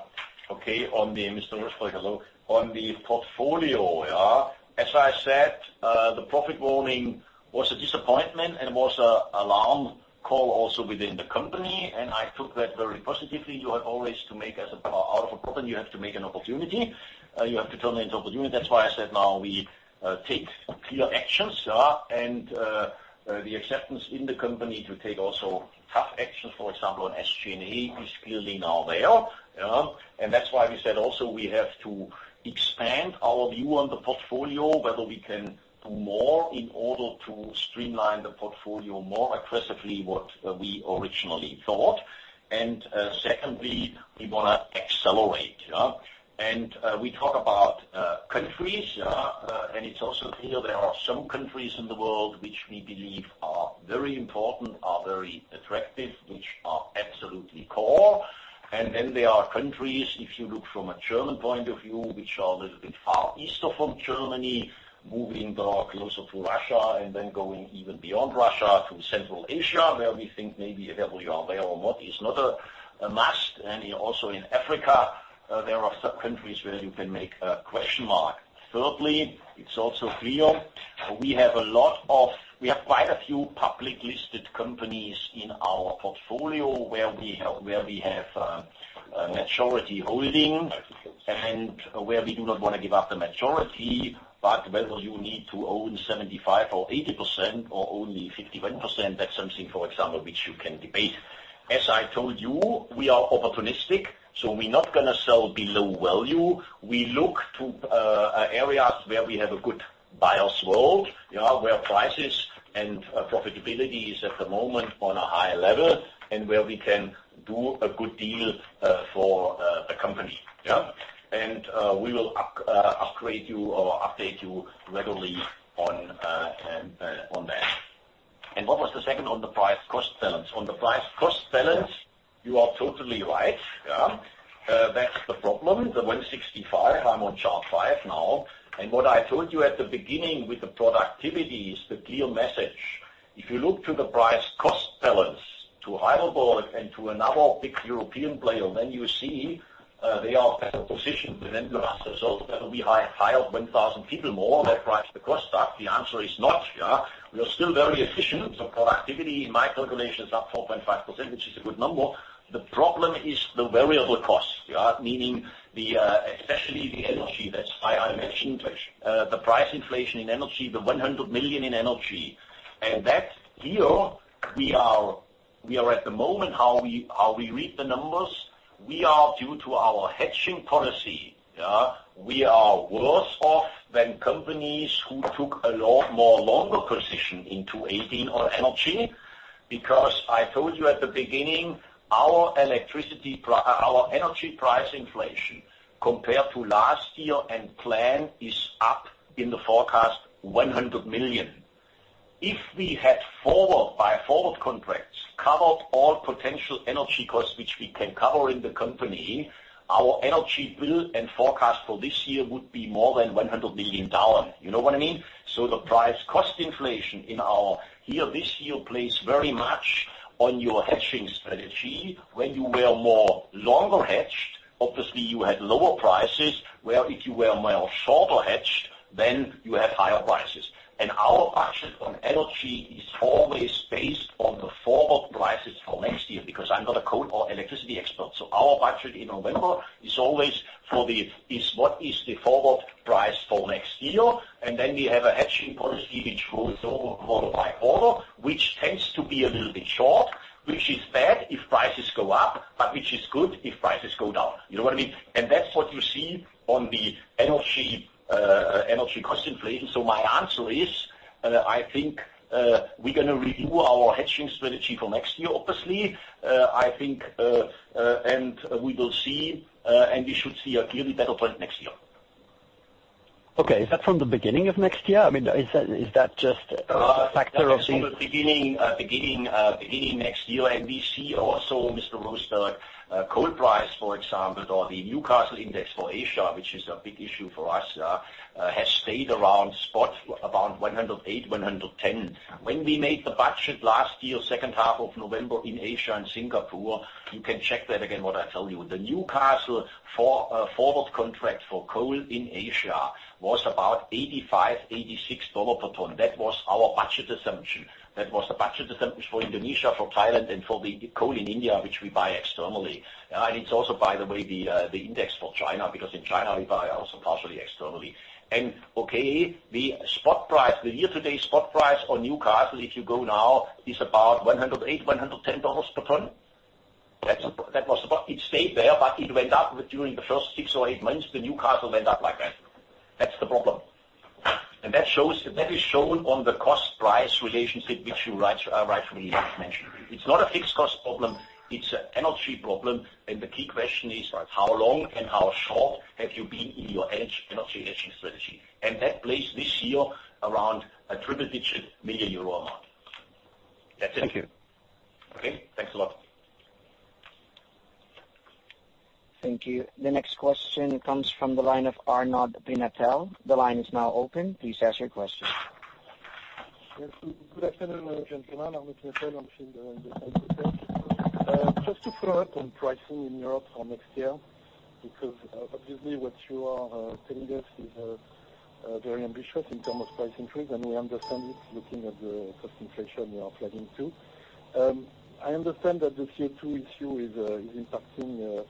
Okay. Mr. Roseberg, hello. On the portfolio. As I said, the profit warning was a disappointment and was alarm call also within the company, and I took that very positively. Out of a problem, you have to make an opportunity. You have to turn it into opportunity. That's why I said now we take clear actions. The acceptance in the company to take also tough actions, for example, on SG&A is clearly now there. That's why we said also we have to expand our view on the portfolio, whether we can do more in order to streamline the portfolio more aggressively what we originally thought. Secondly, we want to accelerate. We talk about countries, and it's also clear there are some countries in the world which we believe are very important, are very attractive, which are absolutely core. Then there are countries, if you look from a German point of view, which are a little bit far eastern from Germany, moving closer to Russia and then going even beyond Russia to Central Asia, where we think maybe whether we are there or not is not a must. Also in Africa, there are sub-countries where you can make a question mark. Thirdly, it's also clear we have quite a few public listed companies in our portfolio where we have majority holdings and where we do not want to give up the majority, but whether you need to own 75% or 80% or only 51%, that's something, for example, which you can debate. As I told you, we are opportunistic, we're not going to sell below value. We look to areas where we have a good buyer's world, where prices and profitability is at the moment on a higher level, and where we can do a good deal for the company. We will upgrade you or update you regularly on that. What was the second on the price-cost balance? On the price-cost balance, you are totally right. That's the problem, the 165. I'm on chart five now. What I told you at the beginning with the productivity is the clear message. If you look to the price-cost balance to Heidelberg and to another big European player, you see they are better positioned. You ask yourself, "Will we hire 1,000 people more? Will that drive the cost up?" The answer is not. We are still very efficient. The productivity, in my calculation, is up 4.5%, which is a good number. The problem is the variable cost, meaning especially the energy. That's why I mentioned the price inflation in energy, the 100 million in energy. That here, we are at the moment, how we read the numbers, we are, due to our hedging policy, we are worse off than companies who took a lot more longer position into 2018 on energy. I told you at the beginning, our energy price inflation compared to last year and plan is up in the forecast 100 million. If we had, by forward contracts, covered all potential energy costs which we can cover in the company, our energy bill and forecast for this year would be more than EUR 100 million. You know what I mean? The price-cost inflation in this year plays very much on your hedging strategy. When you were more longer hedged, obviously you had lower prices, where if you were more shorter hedged, then you have higher prices. Our action on energy is always based on the forward prices for next year, because I'm not a coal or electricity expert. Our budget in November is always what is the forward price for next year. We have a hedging policy which goes quarter by quarter, which tends to be a little bit short, which is bad if prices go up, but which is good if prices go down. You know what I mean? That's what you see on the energy cost inflation. My answer is, I think we're going to review our hedging strategy for next year, obviously. We will see, and we should see a clearly better point next year. Okay. Is that from the beginning of next year? I mean, is that just a factor of- Beginning next year. We see also, Mr. Roseberg, coal price, for example, or the Newcastle index for Asia, which is a big issue for us, has stayed around spot about $108, $110. When we made the budget last year, second half of November in Asia and Singapore, you can check that again what I tell you. The Newcastle forward contract for coal in Asia was about $85, $86 per ton. That was our budget assumption. That was the budget assumption for Indonesia, for Thailand, and for the coal in Italy, which we buy externally. It is also, by the way, the index for China, because in China, we buy also partially externally. The year-to-date spot price for Newcastle, if you go now, is about $108, $110 per ton. It stayed there, but it went up during the first six or eight months. The Newcastle went up like that. That's the problem. That is shown on the cost-price relationship, which you rightfully mentioned. It's not a fixed cost problem. It's an energy problem. The key question is, how long and how short have you been in your energy hedging strategy? That plays this year around a triple-digit million euro amount. That's it. Thank you. Okay. Thanks a lot. Thank you. The next question comes from the line of Arnaud Pinatel. The line is now open. Please ask your question. Yes. Good afternoon, gentlemen. Arnaud Pinatel on the phone. Just to follow up on pricing in Europe for next year. Obviously what you are telling us is very ambitious in terms of price increase, and we understand it looking at the cost inflation you are flagging to. I understand that the CO2 issue is impacting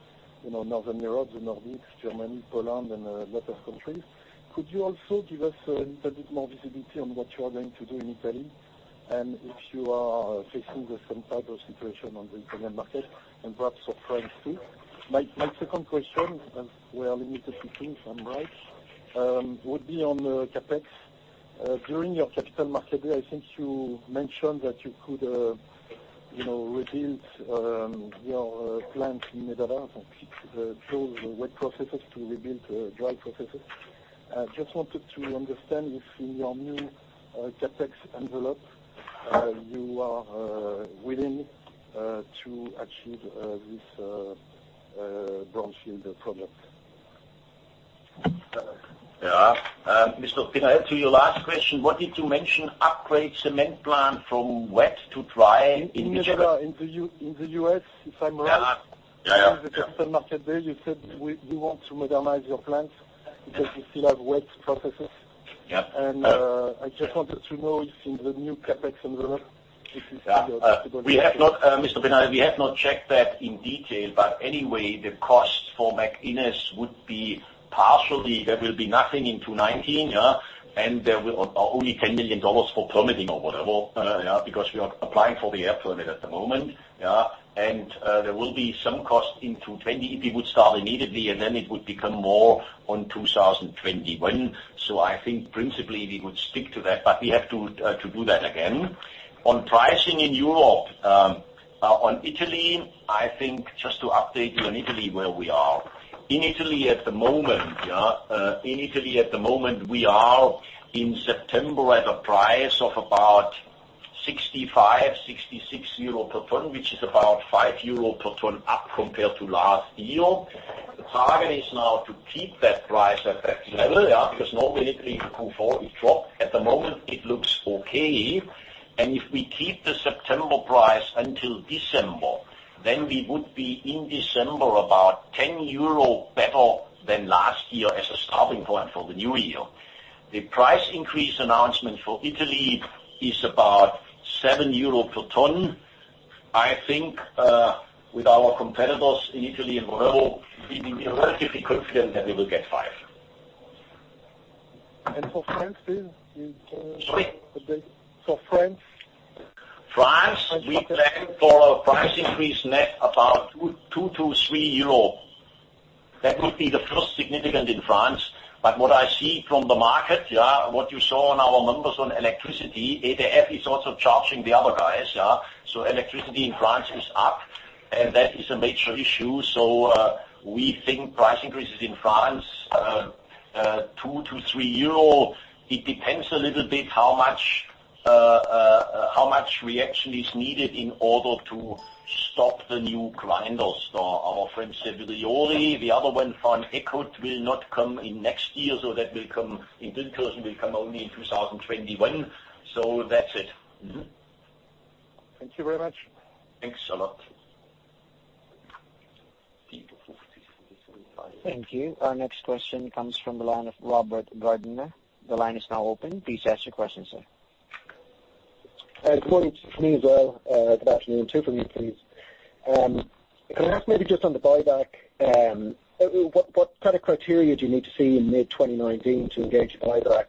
Northern Europe, the Nordics, Germany, Poland, and a lot of countries. Could you also give us a little bit more visibility on what you are going to do in Italy, and if you are facing the same type of situation on the Italian market, and perhaps for France too? My second question, as we are limited to two, if I'm right, would be on CapEx. During your capital market day, I think you mentioned that you could rebuild your plant in Mitchell, to fix the wet processes to rebuild dry processes. I just wanted to understand if in your new CapEx envelope, you are willing to achieve this project. Yeah. Mr. Pinatel, to your last question, what did you mention upgrade cement plant from wet to dry? In Mitchell, in the U.S. Yeah. in the capital market there, you said you want to modernize your plant because you still have wet processes. Yeah. I just wanted to know if in the new CapEx envelope, if it's still possible. Mr. Pinatel, we have not checked that in detail, but anyway, the cost for McInnis would be, there will be nothing in 2019. There will only be $10 million for permitting or whatever, because we are applying for the air permit at the moment. There will be some cost in 2020 if we would start immediately, and then it would become more on 2021. I think principally we would stick to that, but we have to do that again. On pricing in Europe. On Italy, just to update you on where we are. In Italy at the moment, we are in September at a price of about 65, 66 euro per ton, which is about 5 euro per ton up compared to last year. The target is now to keep that price at that level, because normally it will go forward, it drop. At the moment, it looks okay. If we keep the September price until December, we would be in December about 10 euro better than last year as a starting point for the new year. The price increase announcement for Italy is about 7 euro per ton. I think, with our competitors in Italy and overall, we are relatively confident that we will get five. For France, please? Sorry. For France. France, we plan for a price increase net about 2-3 euro. That would be the first significant in France. What I see from the market, and what you saw on our numbers on electricity, EDF is also charging the other guys. Electricity in France is up, and that is a major issue. We think price increases in France, 2-3 euro. It depends a little bit how much reaction is needed in order to stop the new grinders. Our friend, Finiper, the other one, Vicat, will not come in next year. In principle, it will come only in 2021. That's it. Thank you very much. Thanks a lot. Thank you. Our next question comes from the line of Robert Gardiner. The line is now open. Please ask your question, sir. Good morning. It is from me as well. Good afternoon too from me, please. Can I ask maybe just on the buyback, what kind of criteria do you need to see in mid-2019 to engage the buyback?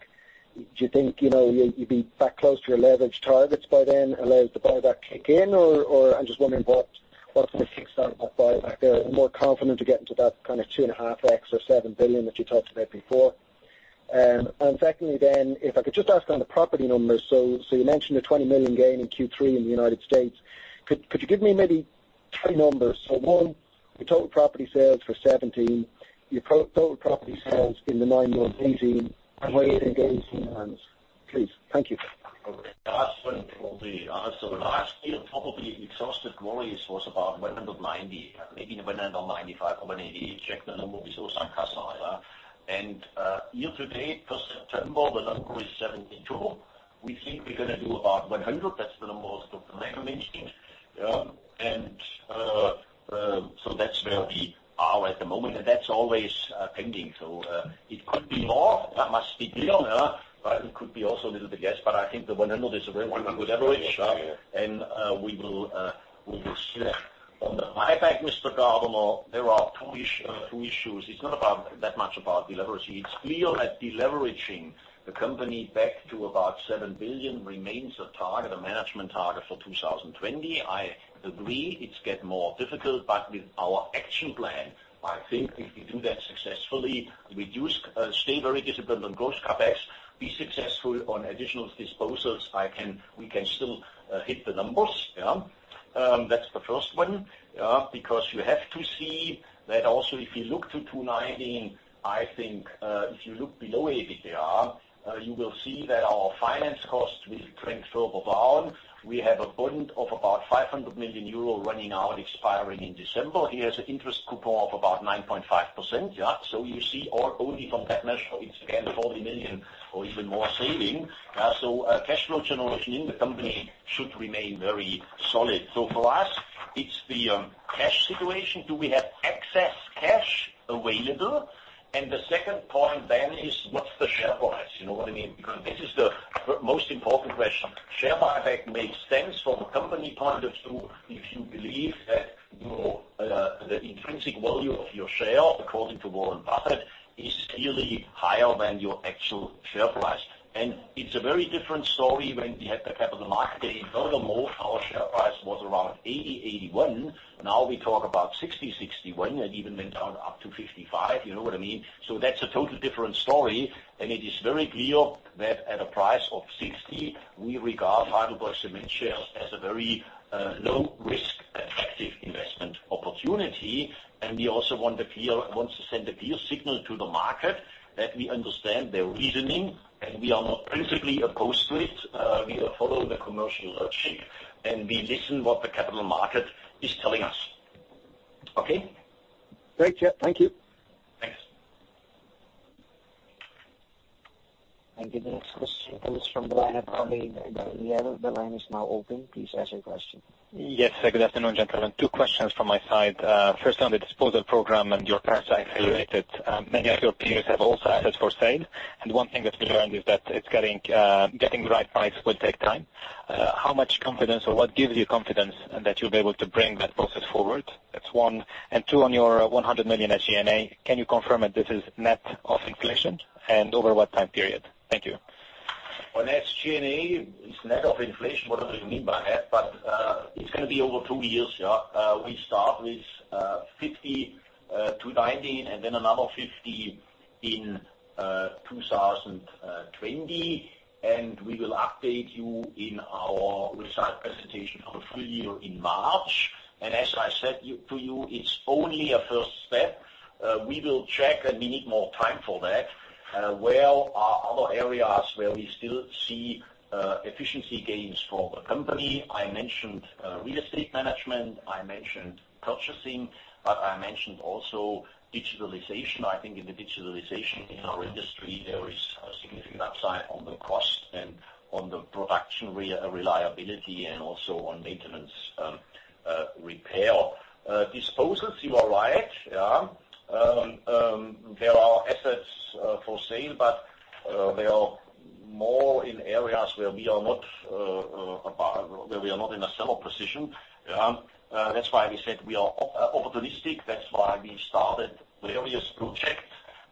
Do you think, you would be back close to your leverage targets by then, allows the buyback kick in? I am just wondering what sort of kicks out that buyback there? More confident to get into that kind of 2.5x or 7 billion that you talked about before. Secondly, if I could just ask on the property numbers. You mentioned a $20 million gain in Q3 in the United States. Could you give me maybe two numbers? One, the total property sales for 2017, your total property sales in the nine months 2018, and when you are engaging in that. Please. Thank you. Okay. Last one for me. Last year, property exhausted worries was about 190, maybe 195 or 198. Check the numbers. It was like that. Year-to-date for September, the number is 72. We think we're going to do about 100. That's for the most of the nine months. That's where we are at the moment. That's always pending. It could be more. That must be clear. It could be also a little bit less, but I think the 100 is a very good leverage. We will see. On the buyback, Mr. Gardiner, there are two issues. It's not that much about deleverage. It's clear that deleveraging the company back to about 7 billion remains a target, a management target for 2020. I agree it's get more difficult, with our action plan, I think if we do that successfully, stay very disciplined on gross CapEx, be successful on additional disposals, we can still hit the numbers. That's the first one. You have to see that also, if you look to 2019, I think, if you look below EBITDA, you will see that our finance costs will trend further down. We have a bond of about 500 million euro running out, expiring in December. He has an interest coupon of about 9.5%. You see only from that measure, it's again 40 million or even more saving. Cash flow generation in the company should remain very solid. For us, it's the cash situation. Do we have excess cash available? The second point then is what's the share price? You know what I mean? This is the most important question. Share buyback makes sense from a company point of view, if you believe that the intrinsic value of your share, according to Warren Buffett, is clearly higher than your actual share price. It's a very different story when we had the capital market day in Berlin. Our share price was around 80, 81. Now we talk about 60, 61, and even went up to 55. You know what I mean? That's a total different story, and it is very clear that at a price of 60, we regard HeidelbergCement shares as a very low risk, attractive investment opportunity. We also want to send a clear signal to the market that we understand their reasoning, and we are not principally opposed to it. We will follow the commercial logic, we listen what the capital market is telling us. Okay? Great. Yeah. Thank you. Thanks. Thank you. The next question comes from the line of. The line is now open. Please ask your question. Yes. Good afternoon, gentlemen. Two questions from my side. First on the disposal program and your progress. I hear that many of your peers have also assets for sale, and one thing that we learned is that getting the right price will take time. How much confidence or what gives you confidence that you'll be able to bring that process forward? That's one. Two, on your 100 million at SG&A, can you confirm if this is net of inflation, and over what time period? Thank you. On SG&A, it's net of inflation. What do you mean by that? It's going to be over two years. We start with 50 million, 2019, then another 50 million in 2020, we will update you in our result presentation of the full year in March. As I said to you, it's only a first step. We will check, and we need more time for that, where are other areas where we still see efficiency gains for the company. I mentioned real estate management, I mentioned purchasing, but I mentioned also digitalization. I think in the digitalization in our industry, there is a significant upside on the cost and on the production reliability and also on maintenance repair. Disposals, you are right. There are assets for sale, but they are more in areas where we are not in a seller position. That's why we said we are opportunistic. That's why we started various projects.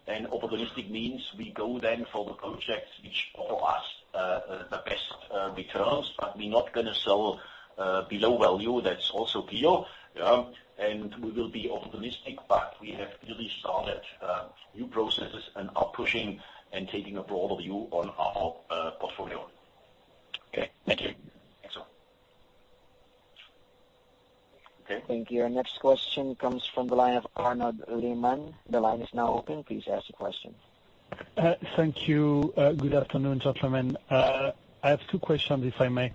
Opportunistic means we go then for the projects which offer us the best returns, we're not going to sell below value. That's also clear. We will be opportunistic, but we have really started new processes and are pushing and taking a broad view on our portfolio. Okay. Thank you. Thanks. Okay. Thank you. Our next question comes from the line of Arnaud Lehmann. The line is now open. Please ask the question. Thank you. Good afternoon, gentlemen. I have two questions, if I may.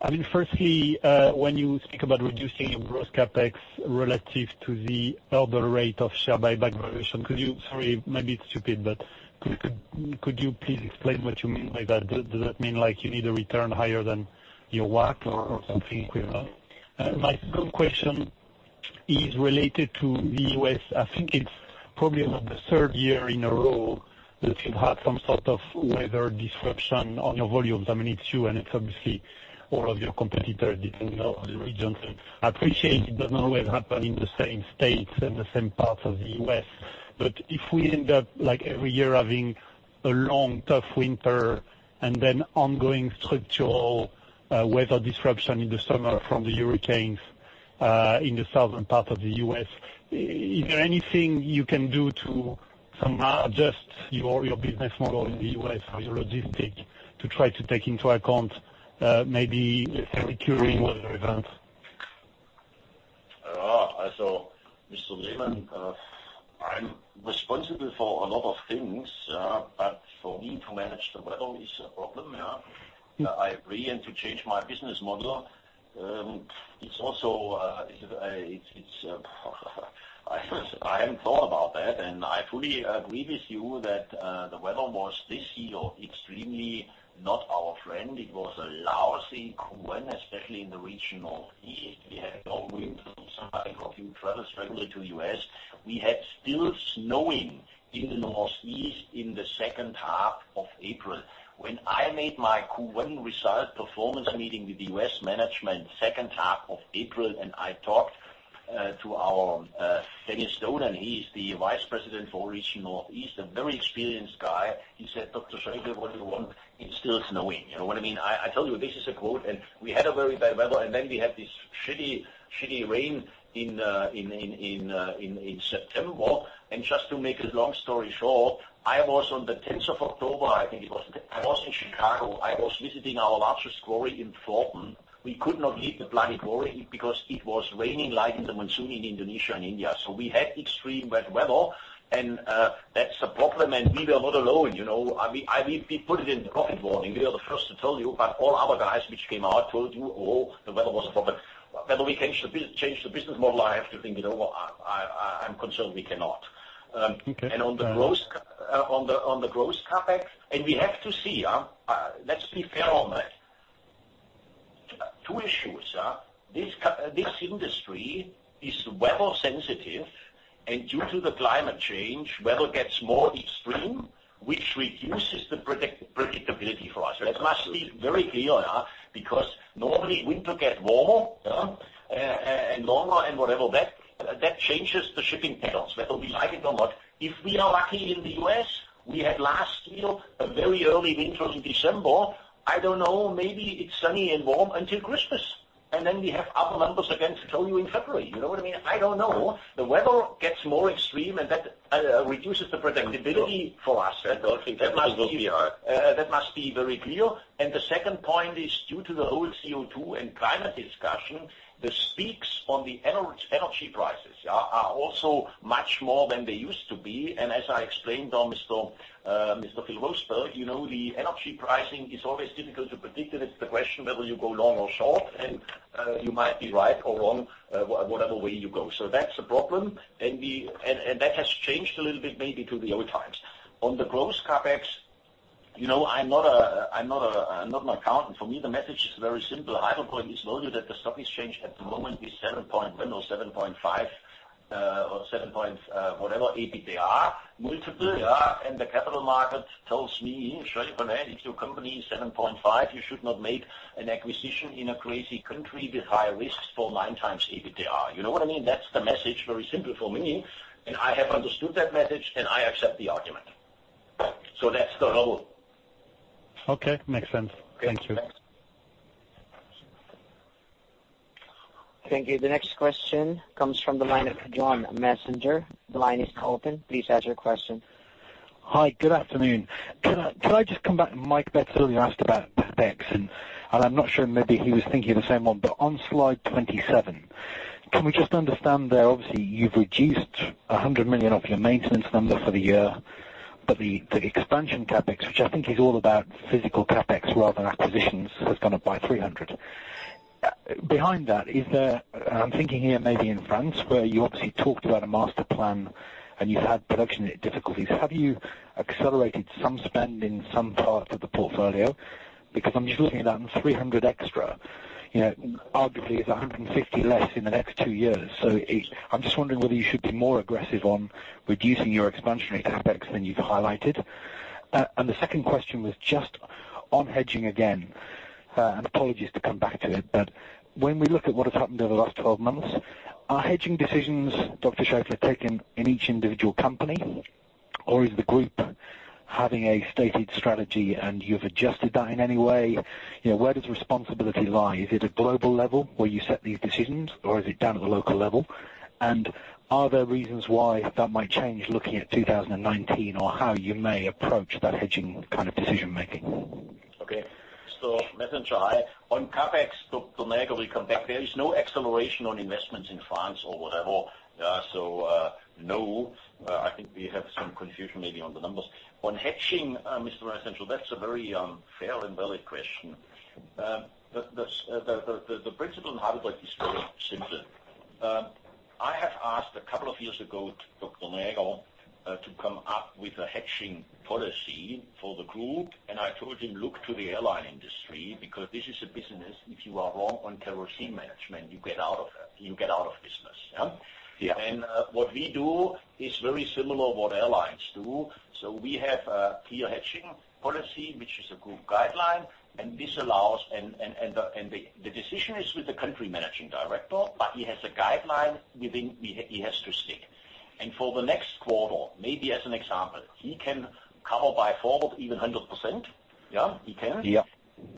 I mean, firstly, when you speak about reducing your gross CapEx relative to the other rate of share buyback version, sorry, maybe it's stupid, but could you please explain what you mean by that? Does that mean you need a return higher than your WACC or something clear? My second question is related to the U.S. I think it's probably about the third year in a row that you've had some sort of weather disruption on your volumes. I mean, it's you, and it's obviously all of your competitors depending on the regions. I appreciate it doesn't always happen in the same states and the same parts of the U.S. If we end up every year having a long, tough winter and then ongoing structural weather disruption in the summer from the hurricanes in the southern part of the U.S., is there anything you can do to somehow adjust your business model in the U.S. or your logistics to try to take into account maybe securing weather events? Mr. Lehmann, I'm responsible for a lot of things, but for me to manage the weather is a problem. I agree, to change my business model, I haven't thought about that. I fully agree with you that the weather was, this year, extremely not our friend. It was a lousy Q1, especially in the regional east. We had no wind, some type of travel struggle to U.S. We had still snowing in the Northeast in the second half of April. When I made my Q1 result performance meeting with the U.S. management second half of April, I talked to our Dennis Dolan, he's the Vice President for region Northeast, a very experienced guy. He said, "Dr. Scheifele, what do you want? It's still snowing." You know what I mean? I tell you, this is a quote, and we had a very bad weather, and then we had this shitty rain in September. Just to make a long story short, I was on the 10th of October, I think it was, I was in Chicago. I was visiting our largest quarry in Thornton. We could not leave the bloody quarry because it was raining like in the monsoon in Indonesia and Italy. We had extreme bad weather, and that's a problem, and we were not alone. We put it in the profit warning. We are the first to tell you, but all our guys which came out told you, "Oh, the weather was a problem." Whether we change the business model, I have to think it over. I'm concerned we cannot. Okay. On the gross CapEx, and we have to see. Let's be fair on that. Two issues. This industry is weather sensitive, and due to the climate change, weather gets more extreme, which reduces the predictability for us. That must be very clear, because normally winter get warmer and longer and whatever, that changes the shipping patterns, whether we like it or not. If we are lucky in the U.S., we had last year a very early winter in December. I don't know, maybe it's sunny and warm until Christmas, and then we have other numbers again to tell you in February. You know what I mean? I don't know. The weather gets more extreme, and that reduces the predictability for us. Sure. I don't think that will be our. That must be very clear. The second point is due to the whole CO2 and climate discussion, the peaks on the energy prices are also much more than they used to be. As I explained Mr. Phil Roseberg, the energy pricing is always difficult to predict, and it's the question whether you go long or short, and you might be right or wrong, whatever way you go. That's a problem, and that has changed a little bit maybe to the old times. On the gross CapEx, I'm not an accountant. For me, the message is very simple. Heidelberg is valued at the stock exchange at the moment with 7.1 or 7.5 or 7 point whatever EBITDA multiple. The capital market tells me, "Scheifele, if your company is 7.5, you should not make an acquisition in a crazy country with high risks for 9x EBITDA." You know what I mean? That's the message, very simple for me, and I have understood that message, and I accept the argument. That's the role. Okay. Makes sense. Thank you. Thank you. The next question comes from the line of John Messenger. The line is open. Please ask your question. Hi, good afternoon. Could I just come back to Mike Betts earlier asked about CapEx, and I'm not sure, maybe he was thinking of the same one. On slide 27, can we just understand there, obviously, you've reduced 100 million of your maintenance number for the year, but the expansion CapEx, which I think is all about physical CapEx rather than acquisitions, has gone up by 300 million. Behind that, I'm thinking here maybe in France, where you obviously talked about a master plan and you've had production difficulties. Have you accelerated some spend in some part of the portfolio? Because I'm just looking at that 300 million extra, arguably it's 150 million less in the next two years. I'm just wondering whether you should be more aggressive on reducing your expansionary CapEx than you've highlighted. The second question was just on hedging again, and apologies to come back to it, but when we look at what has happened over the last 12 months, are hedging decisions, Dr. Scheifele, taken in each individual company, or is the group having a stated strategy and you've adjusted that in any way? Where does responsibility lie? Is it a global level where you set these decisions, or is it down at the local level? Are there reasons why that might change looking at 2019 or how you may approach that hedging kind of decision-making? Okay. Messenger, hi. On CapEx, Dr. Näger will come back. There is no acceleration on investments in France or whatever. No, I think we have some confusion maybe on the numbers. On hedging, Mr. Messenger, that's a very fair and valid question. The principle in Heidelberg is very simple. I have asked a couple of years ago to Dr. Näger to come up with a hedging policy for the group, and I told him, look to the airline industry, because this is a business, if you are wrong on kerosene management, you get out of business. Yeah? Yeah. What we do is very similar what airlines do. We have a clear hedging policy, which is a group guideline, and the decision is with the country managing director, but he has a guideline he has to stick. For the next quarter, maybe as an example, he can cover by forward even 100%. Yeah? He can. Yeah.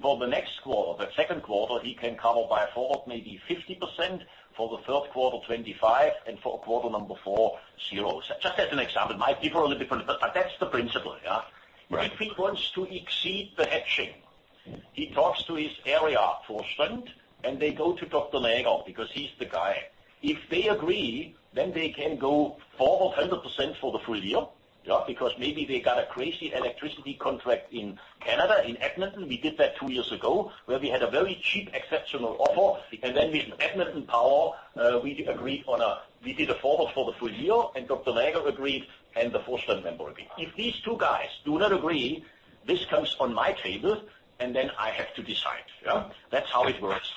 For the next quarter, the second quarter, he can cover by forward maybe 50%, for the third quarter, 25%, and for quarter number four, 0%. Just as an example, might differ a little bit, but that's the principle, Yeah? Right. If he wants to exceed the hedging, he talks to his area Vorstand, they go to Dr. Näger, because he's the guy. If they agree, then they can go forward 100% for the full year. Maybe they got a crazy electricity contract in Canada, in Edmonton. We did that two years ago, where we had a very cheap exceptional offer, and then with EPCOR Utilities, we did a forward for the full year, and Dr. Näger agreed, and the Vorstand member agreed. If these two guys do not agree, this comes on my table, and then I have to decide. Yeah? That's how it works.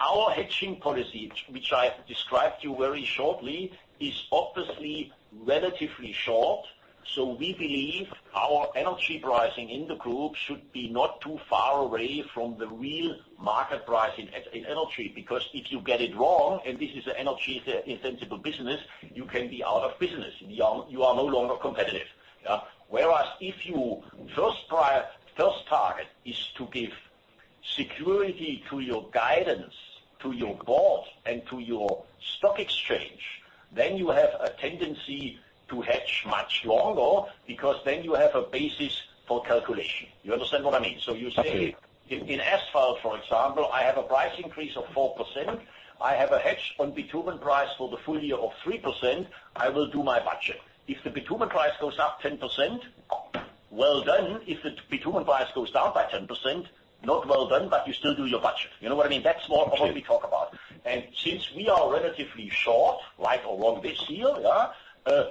Our hedging policy, which I described to you very shortly, is obviously relatively short. We believe our energy pricing in the group should be not too far away from the real market price in energy, because if you get it wrong, and this is an energy-intensive business, you can be out of business. You are no longer competitive. Whereas if your first target is to give security to your guidance, to your board, and to your stock exchange, then you have a tendency to hedge much longer, because then you have a basis for calculation. You understand what I mean? Absolutely. You say, in asphalt, for example, I have a price increase of 4%. I have a hedge on bitumen price for the full year of 3%. I will do my budget. If the bitumen price goes up 10%, well done. If the bitumen price goes down by 10%, not well done, but you still do your budget. You know what I mean? That's more- Sure. What we talk about. Since we are relatively short, like along this year,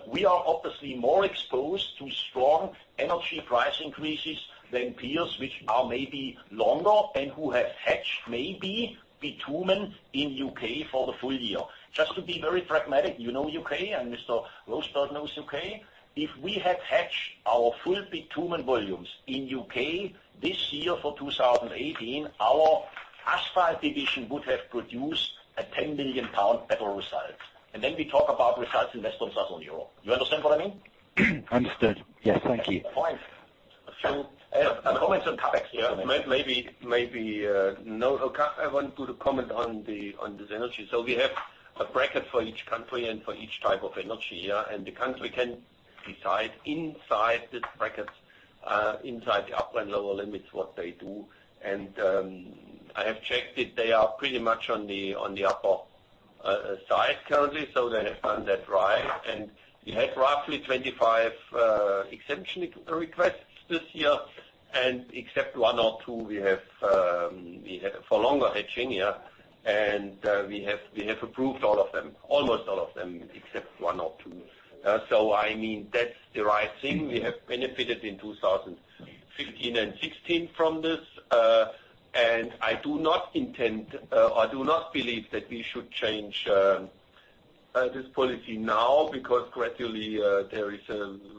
we are obviously more exposed to strong energy price increases than peers, which are maybe longer and who have hedged maybe bitumen in U.K. for the full year. Just to be very pragmatic, you know U.K., and Mr. Roseberg knows U.K. If we had hedged our full bitumen volumes in U.K. this year for 2018, our asphalt division would have produced a 10 million pound better result. Then we talk about results in less than certain EUR. You understand what I mean? Understood. Yes. Thank you. Fine. Sure. A comment on CapEx here. Maybe, I want to comment on this energy. We have a bracket for each country and for each type of energy. The country can decide inside this bracket, inside the upper and lower limits, what they do. I have checked it. They are pretty much on the upper side currently, so they have done that right. We had roughly 25 exemption requests this year, and except one or two, we have for longer hedging. We have approved all of them, almost all of them, except one or two. I mean, that's the right thing. We have benefited in 2015 and 2016 from this. I do not intend or do not believe that we should change this policy now, because gradually,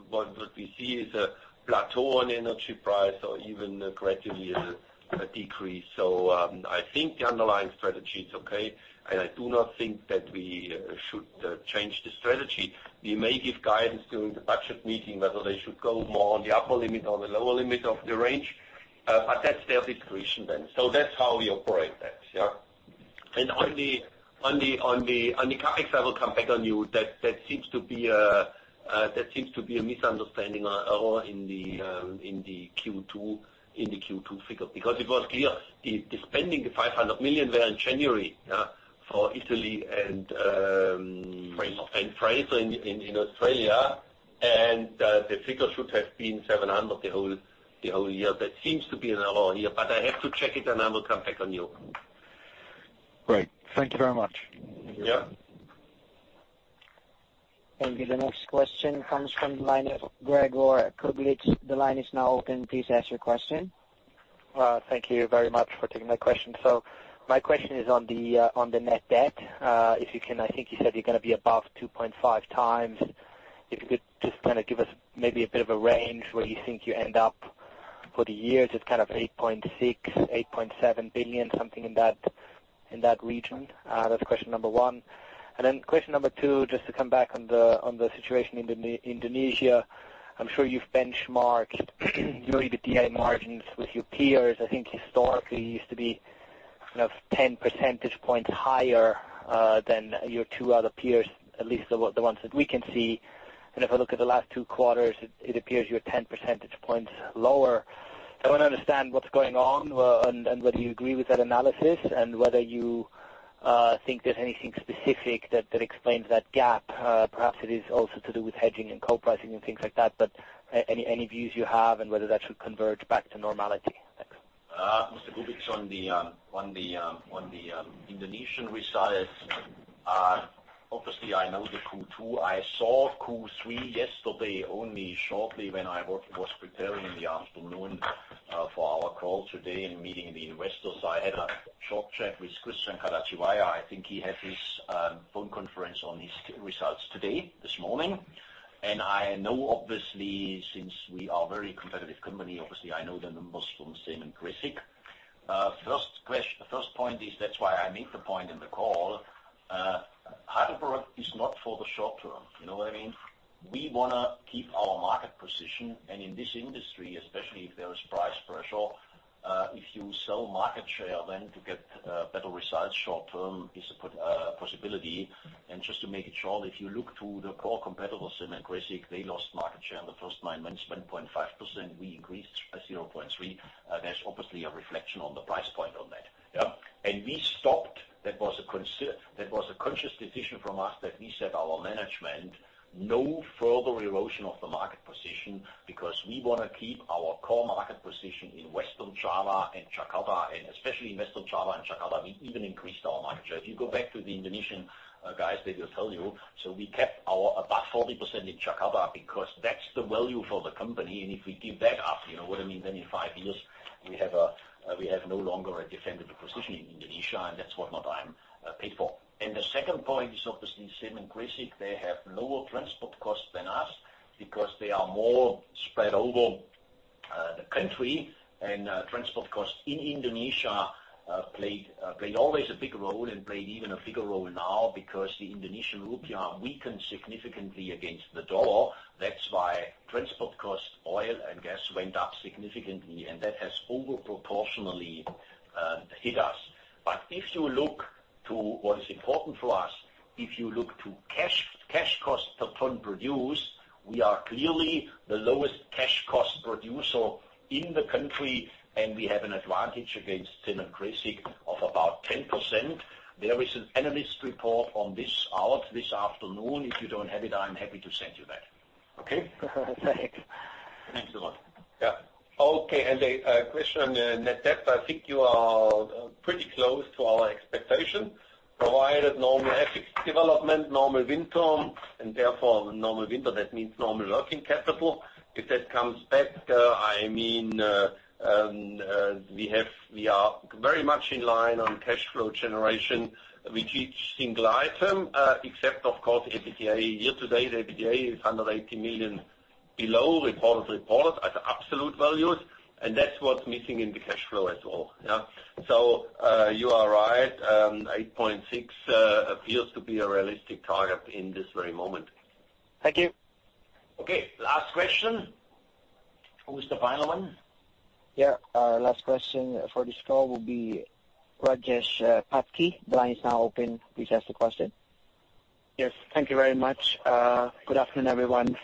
what we see is a plateau on energy price or even gradually a decrease. I think the underlying strategy is okay, I do not think that we should change the strategy. We may give guidance during the budget meeting whether they should go more on the upper limit or the lower limit of the range. But that's their discretion then. That's how we operate that. On the CapEx, I will come back on you. That seems to be a misunderstanding or an error in the Q2 figures. Because it was clear, the spending the 500 million there in January for Italy and France and Australia, and the figure should have been 700 the whole year. That seems to be an error here, but I have to check it, and I will come back on you. Great. Thank you very much. Thank you. The next question comes from the line of Gregor Kuglitsch. The line is now open. Please ask your question. Thank you very much for taking my question. My question is on the net debt. I think you said you're going to be above 2.5x. If you could just give us maybe a bit of a range where you think you end up for the year. Is it 8.6 billion, 8.7 billion, something in that region? That's question number one. Question number two, just to come back on the situation in Indonesia. I'm sure you've benchmarked your EBITDA margins with your peers. I think historically you used to be 10 percentage points higher than your two other peers, at least the ones that we can see. If I look at the last two quarters, it appears you're 10 percentage points lower. I want to understand what's going on and whether you agree with that analysis, and whether you think there's anything specific that explains that gap. Perhaps it is also to do with hedging and coal pricing and things like that, any views you have and whether that should converge back to normality. Thanks. Mr. Kuglitsch, on the Indonesian results, obviously I know the Q2. I saw Q3 yesterday only shortly when I was preparing in the afternoon for our call today and meeting the investors. I had a short chat with Christian Kartawijaya. I think he had his phone conference on his results today, this morning. I know, obviously, since we are very competitive company, obviously I know the numbers from Semen Gresik. First point is that's why I make the point in the call. Heidelberg is not for the short term. You know what I mean? We want to keep our market position, and in this industry, especially if there is price pressure, if you sell market share, then to get better results short term is a possibility. Just to make it short, if you look to the core competitors, Semen Gresik, they lost market share in the first nine months, 1.5%. We increased by 0.3%. There's obviously a reflection on the price point on that. Yeah? We stopped. That was a conscious decision from us that we said, our management, no further erosion of the market position because we want to keep our core market position in Western Java and Jakarta, and especially in Western Java and Jakarta, we even increased our market share. If you go back to the Indonesian guys, they will tell you. We kept about 40% in Jakarta because that's the value for the company, and if we give that up, you know what I mean, then in five years, we have no longer a defendable position in Indonesia, and that's what my time paid for. The second point is obviously Semen Gresik, they have lower transport costs than us because they are more spread over the country. Transport costs in Indonesia played always a big role and played even a bigger role now because the Indonesian rupiah weakened significantly against the dollar. That's why transport costs, oil and gas went up significantly, and that has over proportionally hit us. If you look to what is important for us, if you look to cash cost per ton produced, we are clearly the lowest cash cost producer in the country, and we have an advantage against Semen Gresik of about 10%. There is an analyst report on this out this afternoon. If you don't have it, I'm happy to send you that. Okay? Thanks. Thanks a lot. Yeah. Okay. A question on net debt. I think you are pretty close to our expectation, provided normal FX development, normal winter, and therefore normal winter, that means normal working capital. If that comes back, we are very much in line on cash flow generation with each single item, except of course, EBITDA. Year to date, EBITDA is 180 million below report as absolute values, and that's what's missing in the cash flow as well. Yeah? You are right. 8.6 appears to be a realistic target in this very moment. Thank you. Okay. Last question. Who is the final one? Last question for this call will be Rajesh Patki. The line is now open. Please ask the question. Yes. Thank you very much. Good afternoon, everyone.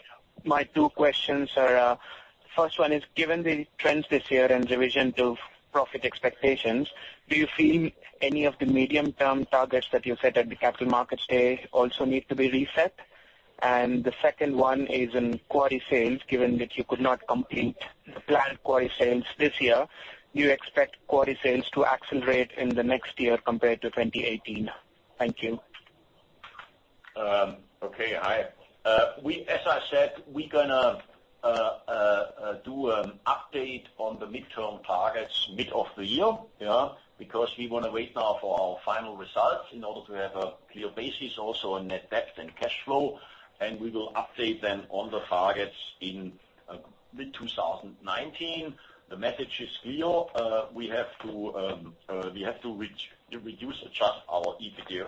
My two questions are, first one is, given the trends this year and revision to profit expectations, do you feel any of the medium-term targets that you set at the Capital Markets Day also need to be reset? The second one is on quarry sales, given that you could not complete the planned quarry sales this year, do you expect quarry sales to accelerate in the next year compared to 2018? Thank you. Okay. As I said, we're going to do an update on the mid-term targets mid of the year. Yeah. We want to wait now for our final results in order to have a clear basis also on net debt and cash flow, and we will update them on the targets in mid-2019. The message is clear. We have to reduce or adjust our EBITDA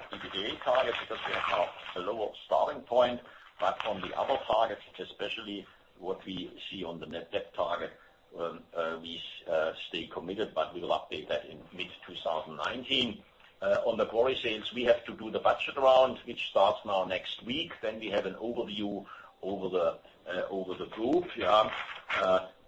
target. We have now a lower starting point. On the other targets, especially what we see on the net debt target, we stay committed, but we will update that in mid-2019. On the quarry sales, we have to do the budget round, which starts now next week. We have an overview over the group. Yeah.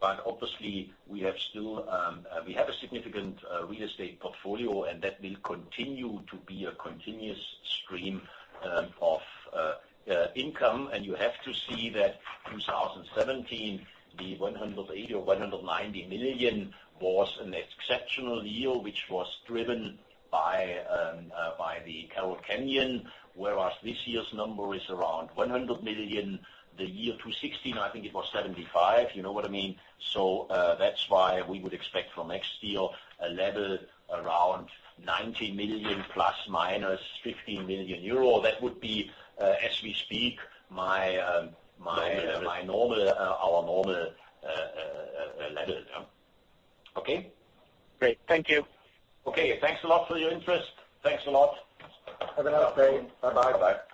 Obviously, we have a significant real estate portfolio, and that will continue to be a continuous stream of income. You have to see that 2017, the 180 million or 190 million was an exceptional year, which was driven by the Carroll Canyon. This year's number is around 100 million. The year 2016, I think it was 75. You know what I mean? That's why we would expect for next year a level around 90 million ± 15 million euro. That would be, as we speak, our normal level. Yeah. Okay? Great. Thank you. Okay. Thanks a lot for your interest. Thanks a lot. Have a nice day. Bye-bye. Bye-bye.